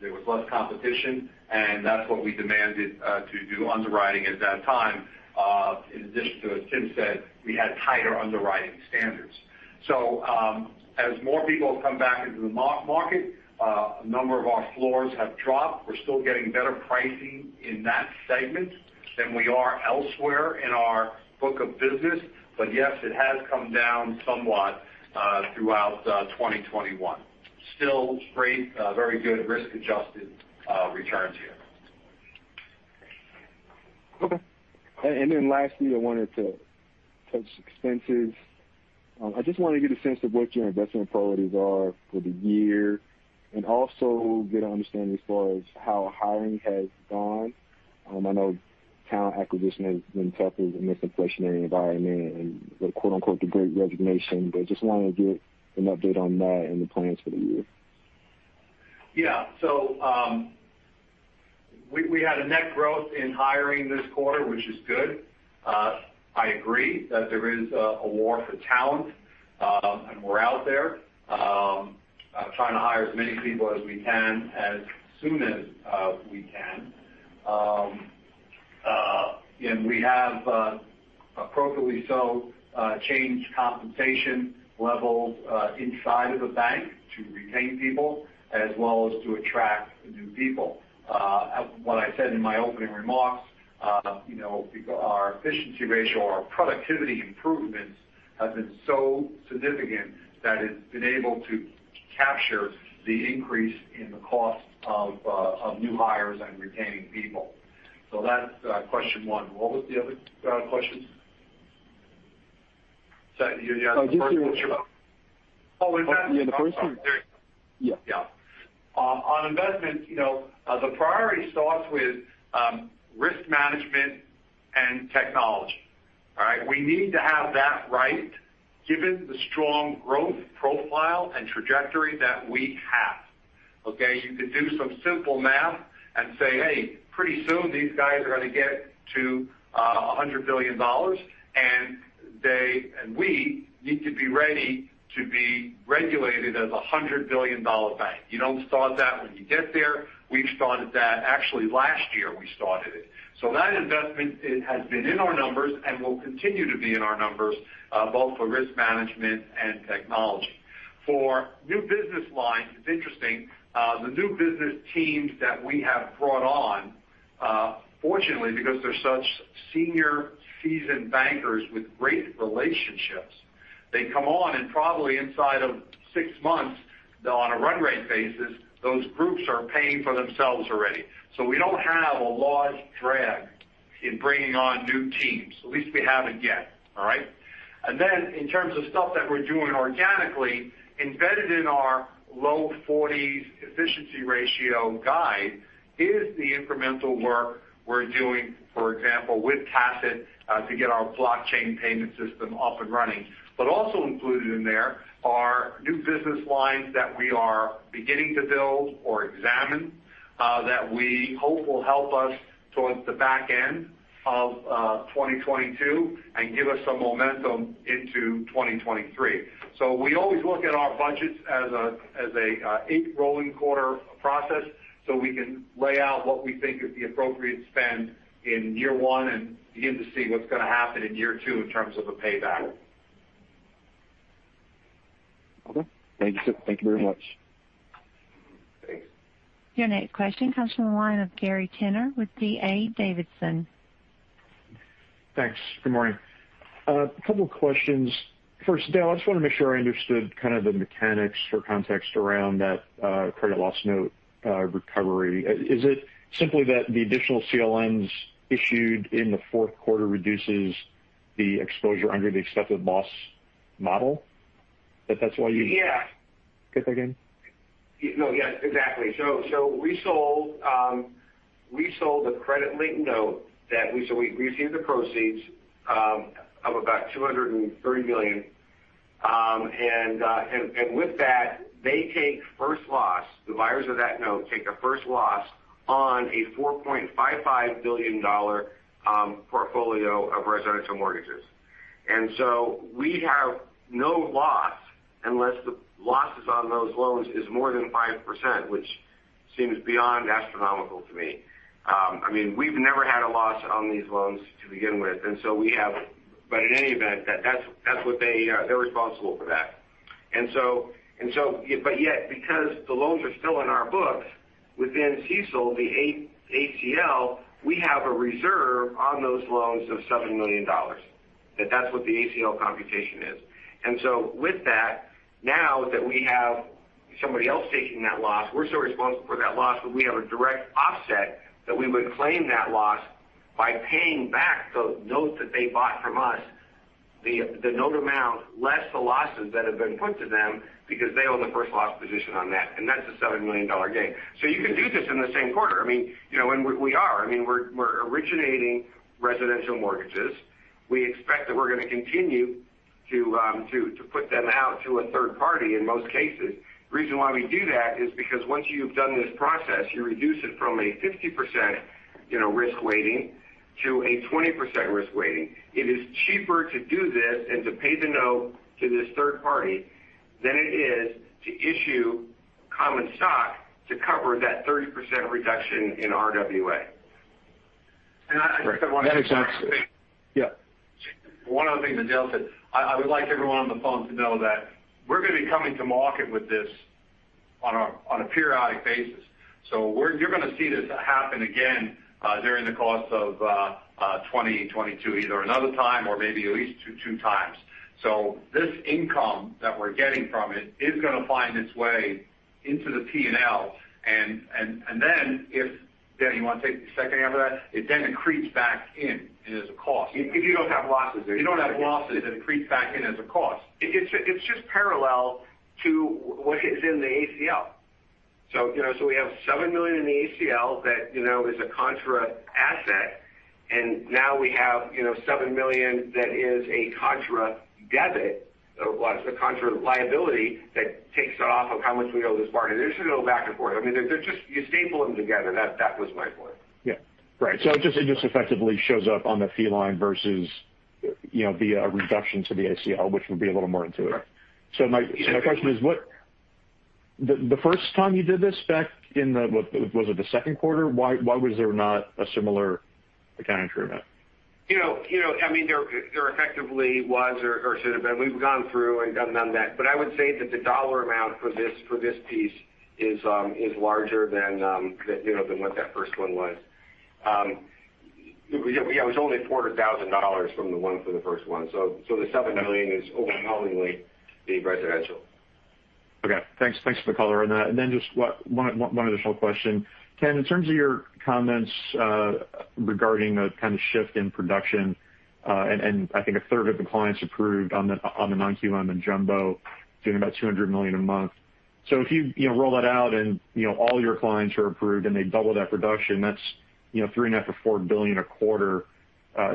there was less competition, and that's what we demanded to do underwriting at that time. In addition to what Tim said, we had tighter underwriting standards. As more people have come back into the market, a number of our floors have dropped. We're still getting better pricing in that segment than we are elsewhere in our book of business. Yes, it has come down somewhat throughout 2021. Still great, very good risk-adjusted returns here. Okay. Then lastly, I wanted to touch expenses. I just want to get a sense of what your investment priorities are for the year. Also get an understanding as far as how hiring has gone. I know talent acquisition has been tougher in this inflationary environment and with quote unquote, "the Great Resignation." Just wanted to get an update on that and the plans for the year. Yeah, we had a net growth in hiring this quarter, which is good. I agree that there is a war for talent, and we're out there trying to hire as many people as we can as soon as we can. We have appropriately so changed compensation levels inside of the bank to retain people as well as to attract new people. What I said in my opening remarks, our efficiency ratio, our productivity improvements have been so significant that it's been able to capture the increase in the cost of new hires and retaining people. That's question one. What was the other question? Second, you had the first question about- Oh, just the one. Oh, investment. The first one. Yeah. Yeah. On investment, you know, the priority starts with risk management and technology. All right. We need to have that right given the strong growth profile and trajectory that we have. Okay. You could do some simple math and say, "Hey, pretty soon these guys are gonna get to $100 billion, and we need to be ready to be regulated as a $100 billion-dollar bank. You don't start that when you get there. We started that actually last year, we started it. That investment has been in our numbers and will continue to be in our numbers, both for risk management and technology. For new business lines, it's interesting, the new business teams that we have brought on, fortunately because they're such senior seasoned bankers with great relationships, they come on and probably inside of six months on a run rate basis, those groups are paying for themselves already. We don't have a large drag in bringing on new teams. At least we haven't yet. All right? Then in terms of stuff that we're doing organically, embedded in our low 40s efficiency ratio guide is the incremental work we're doing, for example, with Tassat, to get our blockchain payment system up and running. Also included in there are new business lines that we are beginning to build or examine, that we hope will help us towards the back end of 2022 and give us some momentum into 2023. We always look at our budgets as an eight rolling quarter process, so we can lay out what we think is the appropriate spend in year 1 and begin to see what's gonna happen in year two in terms of a payback. Okay. Thank you, sir. Thank you very much. Thanks. Your next question comes from the line of Gary Tenner with D.A. Davidson. Thanks. Good morning. A couple questions. First, Dale, I just wanna make sure I understood kind of the mechanics or context around that credit-linked note recovery. Is it simply that the additional CLNs issued in the fourth quarter reduces the exposure under the expected loss model? That's why you- Yeah. Okay. No, yes, exactly. We sold a credit-linked note. We received the proceeds of about $230 million. With that, they take first loss. The buyers of that note take a first loss on a $4.55 billion portfolio of residential mortgages. We have no loss unless the losses on those loans is more than 5%, which seems beyond astronomical to me. I mean, we've never had a loss on these loans to begin with. In any event, that's what they're responsible for that. Yet, because the loans are still in our books within CECL, the ACL, we have a reserve on those loans of $7 million. That's what the ACL computation is. With that, now that we have somebody else taking that loss, we're still responsible for that loss, but we have a direct offset that we would claim that loss by paying back the note that they bought from us, the note amount less the losses that have been put to them because they own the first loss position on that, and that's a $7 million gain. You can do this in the same quarter. We are. We're originating residential mortgages. We expect that we're gonna continue to put them out to a third party in most cases. The reason why we do that is because once you've done this process, you reduce it from a 50%, you know, risk weighting to a 20% risk weighting. It is cheaper to do this and to pay the note to this third party than it is to issue common stock to cover that 30% reduction in RWA. I just want to. That makes sense. Yeah. One of the things that Dale said, I would like everyone on the phone to know that we're going to be coming to market with this on a periodic basis. You're going to see this happen again during the course of 2022, either another time or maybe at least two times. This income that we're getting from it is gonna find its way into the P&L. Then if Dale you want to take the second half of that? It then accretes back in as a cost. If you don't have losses. If you don't have losses, it accretes back in as a cost. It's just parallel to what is in the ACL. You know, so we have $7 million in the ACL that, you know, is a contra asset, and now we have, you know, $7 million that is a contra debit. Well, it's a contra liability that takes it off of how much we owe this party. This should go back and forth. I mean, they're just you staple them together. That was my point. Yeah. Right. It just effectively shows up on the fee line vs, you know, via a reduction to the ACL, which would be a little more intuitive. Right. My question is, what? The first time you did this back in the second quarter? Why was there not a similar accounting treatment? You know, I mean, there effectively was or should have been. We've gone through and done that. But I would say that the dollar amount for this piece is larger than you know than what that first one was. Yeah, it was only $400,000 from the one for the first one. So the $7 million is overwhelmingly the residential. Okay, thanks. Thanks for the color on that. Just one additional question. Ken, in terms of your comments regarding the kind of shift in production, and I think a third of the clients approved on the non-QM and jumbo doing about $200 million a month. If you know, roll that out and, you know, all your clients are approved, and they double that production, that's, you know, $3.5 billion-$4 billion a quarter,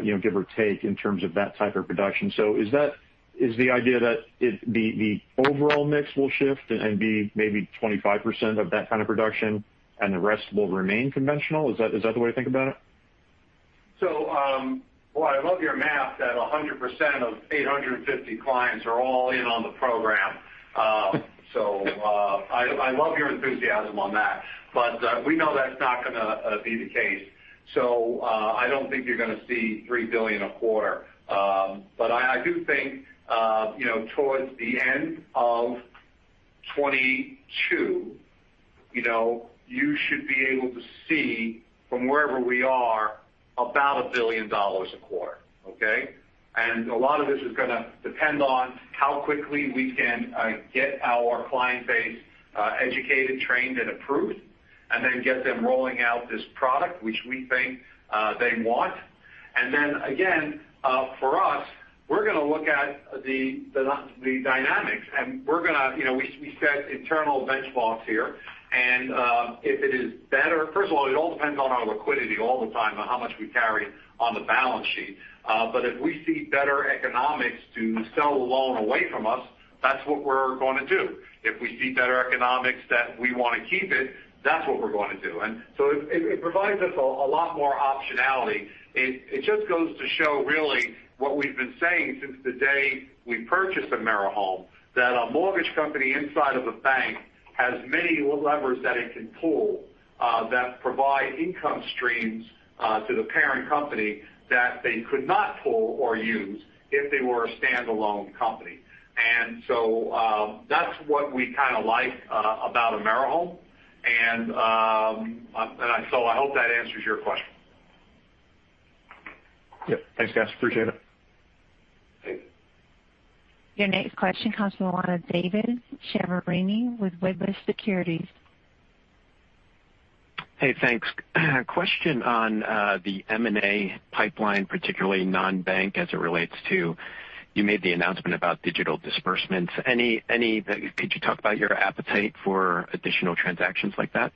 you know, give or take in terms of that type of production. Is that the idea that the overall mix will shift and be maybe 25% of that kind of production and the rest will remain conventional? Is that the way to think about it? Well, I love your math that 100% of 850 clients are all in on the program. I love your enthusiasm on that. We know that's not gonna be the case. I don't think you're gonna see $3 billion a quarter. I do think, you know, towards the end of 2022, you know, you should be able to see from wherever we are about $1 billion a quarter. Okay. A lot of this is gonna depend on how quickly we can get our client base educated, trained, and approved, and then get them rolling out this product, which we think they want. Then again, for us, we're gonna look at the dynamics, and we're gonna. You know, we set internal benchmarks here. First of all, it all depends on our liquidity all the time and how much we carry on the balance sheet. But if we see better economics to sell a loan away from us, that's what we're gonna do. If we see better economics that we wanna keep it, that's what we're gonna do. It provides us a lot more optionality. It just goes to show really what we've been saying since the day we purchased AmeriHome, that a mortgage company inside of a bank has many levers that it can pull that provide income streams to the parent company that they could not pull or use if they were a standalone company. That's what we kind of like about AmeriHome. I hope that answers your question. Yeah. Thanks, guys. Appreciate it. Thanks. Your next question comes from the line of David Chiaverini with Wedbush Securities. Hey, thanks. Question on the M&A pipeline, particularly non-bank as it relates to you made the announcement about Digital Disbursements. Could you talk about your appetite for additional transactions like that?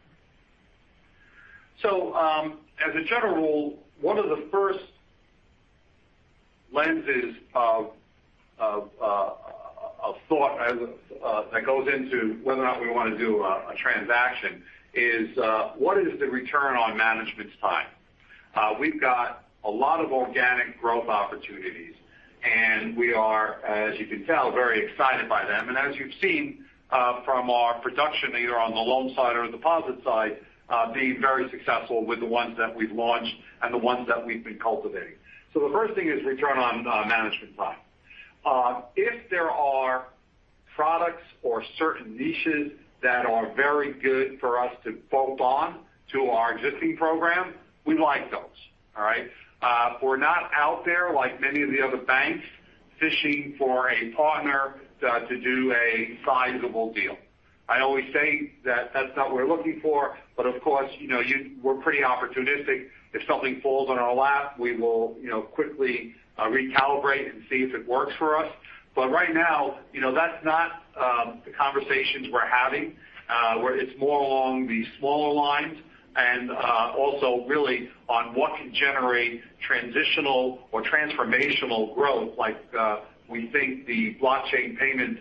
As a general rule, one of the first lenses of a thought that goes into whether or not we wanna do a transaction is what is the return on management's time. We've got a lot of organic growth opportunities, and we are, as you can tell, very excited by them. As you've seen from our production, either on the loan side or the deposit side, being very successful with the ones that we've launched and the ones that we've been cultivating. The first thing is return on management time. If there are products or certain niches that are very good for us to bolt on to our existing program, we like those. All right. We're not out there like many of the other banks fishing for a partner to do a sizable deal. I always say that that's not what we're looking for. Of course, you know, we're pretty opportunistic. If something falls on our lap, we will, you know, quickly recalibrate and see if it works for us. Right now, you know, that's not the conversations we're having, where it's more along the smaller lines and also really on what can generate transitional or transformational growth like we think the blockchain payment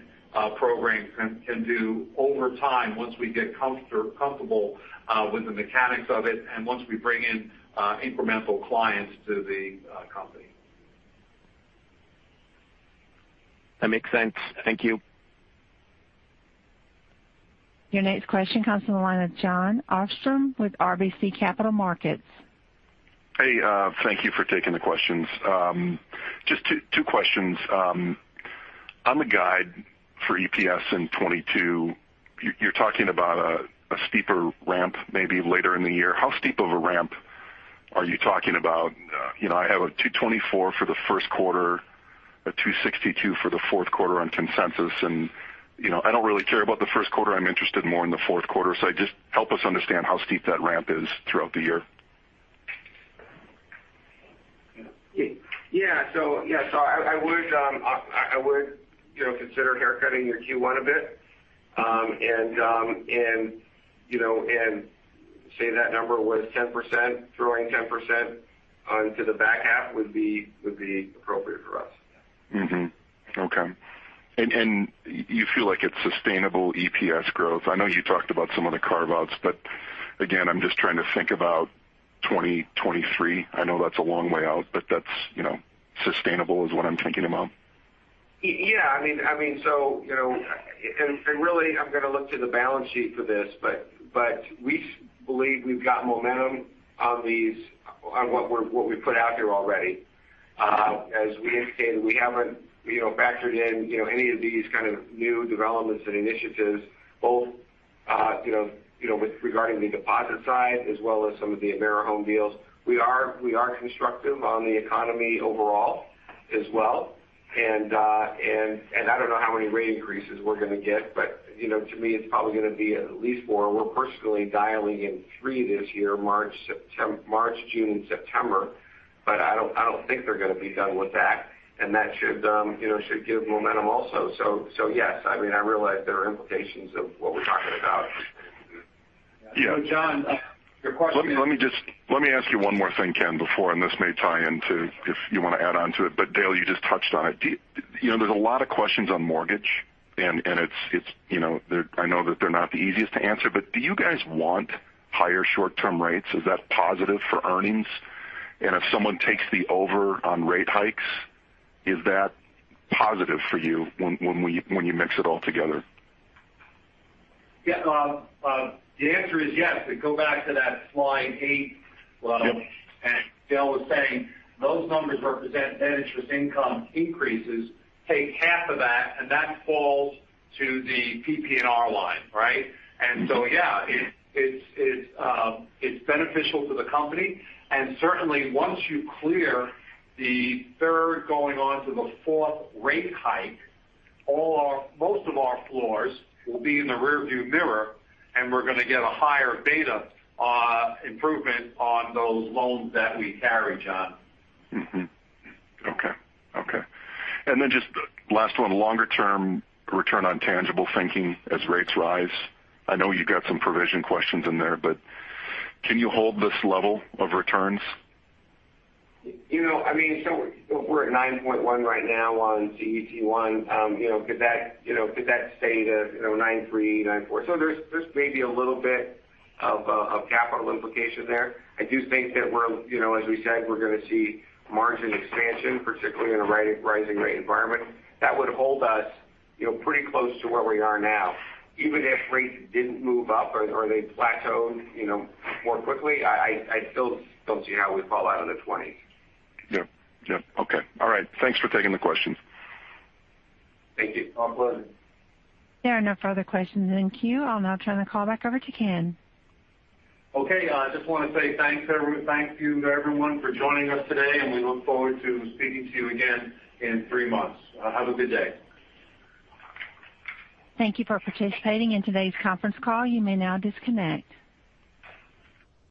program can do over time once we get comfortable with the mechanics of it and once we bring in incremental clients to the company. That makes sense. Thank you. Your next question comes from the line of Jon Arfstrom with RBC Capital Markets. Hey, thank you for taking the questions. Just two questions. On the guide for EPS in 2022, you're talking about a steeper ramp maybe later in the year. How steep of a ramp are you talking about? You know, I have a $2.24 for the first quarter, a $2.62 for the fourth quarter on consensus. You know, I don't really care about the first quarter. I'm interested more in the fourth quarter. Just help us understand how steep that ramp is throughout the year. I would, you know, consider haircutting your Q1 a bit. You know, say that number was 10%, throwing 10% into the back half would be appropriate for us. You feel like it's sustainable EPS growth. I know you talked about some of the carve-outs, but again, I'm just trying to think about 2023. I know that's a long way out, but that's, you know, sustainable is what I'm thinking about. Yeah. I mean, so, you know, and really I'm gonna look to the balance sheet for this, but we believe we've got momentum on these, on what we've put out there already. As we indicated, we haven't, you know, factored in, you know, any of these kind of new developments and initiatives, both You know, with regard to the deposit side as well as some of the AmeriHome deals, we are constructive on the economy overall as well. I don't know how many rate increases we're going to get, but you know, to me, it's probably going to be at least four. We're personally dialing in three this year, March, June, September. I don't think they're going to be done with that. That should, you know, give momentum also. Yes, I mean, I realize there are implications of what we're talking about. Yeah. Jon, your question. Let me ask you one more thing, Ken, before and this may tie into if you want to add on to it, but Dale, you just touched on it. You know, there's a lot of questions on mortgage. It's, you know, they're not the easiest to answer, but do you guys want higher short-term rates? Is that positive for earnings? If someone takes the over on rate hikes, is that positive for you when you mix it all together? Yeah. The answer is yes. If you go back to that slide eight level. Yep. Dale was saying those numbers represent net interest income increases. Take half of that, and that falls to the PPNR line, right? Yeah, it's beneficial to the company. Certainly once you clear the third going on to the fourth rate hike, most of our floors will be in the rearview mirror, and we're going to get a higher beta improvement on those loans that we carry, Jon. Just last one, longer term return on tangible thinking as rates rise. I know you got some provision questions in there, but can you hold this level of returns? You know, I mean, we're at 9.1 right now on CET1. Could that stay to 9.3, 9.4? There's maybe a little bit of capital implication there. I do think that we're, you know, as we said, we're going to see margin expansion, particularly in a rising rate environment. That would hold us, you know, pretty close to where we are now. Even if rates didn't move up or they plateaued more quickly, I still don't see how we fall out of the 20s. Yeah. Yeah. Okay. All right. Thanks for taking the questions. Thank you. Our pleasure. There are no further questions in queue. I'll now turn the call back over to Ken. Okay. I just want to say thanks, everyone. Thank you to everyone for joining us today, and we look forward to speaking to you again in three months. Have a good day. Thank you for participating in today's conference call. You may now disconnect.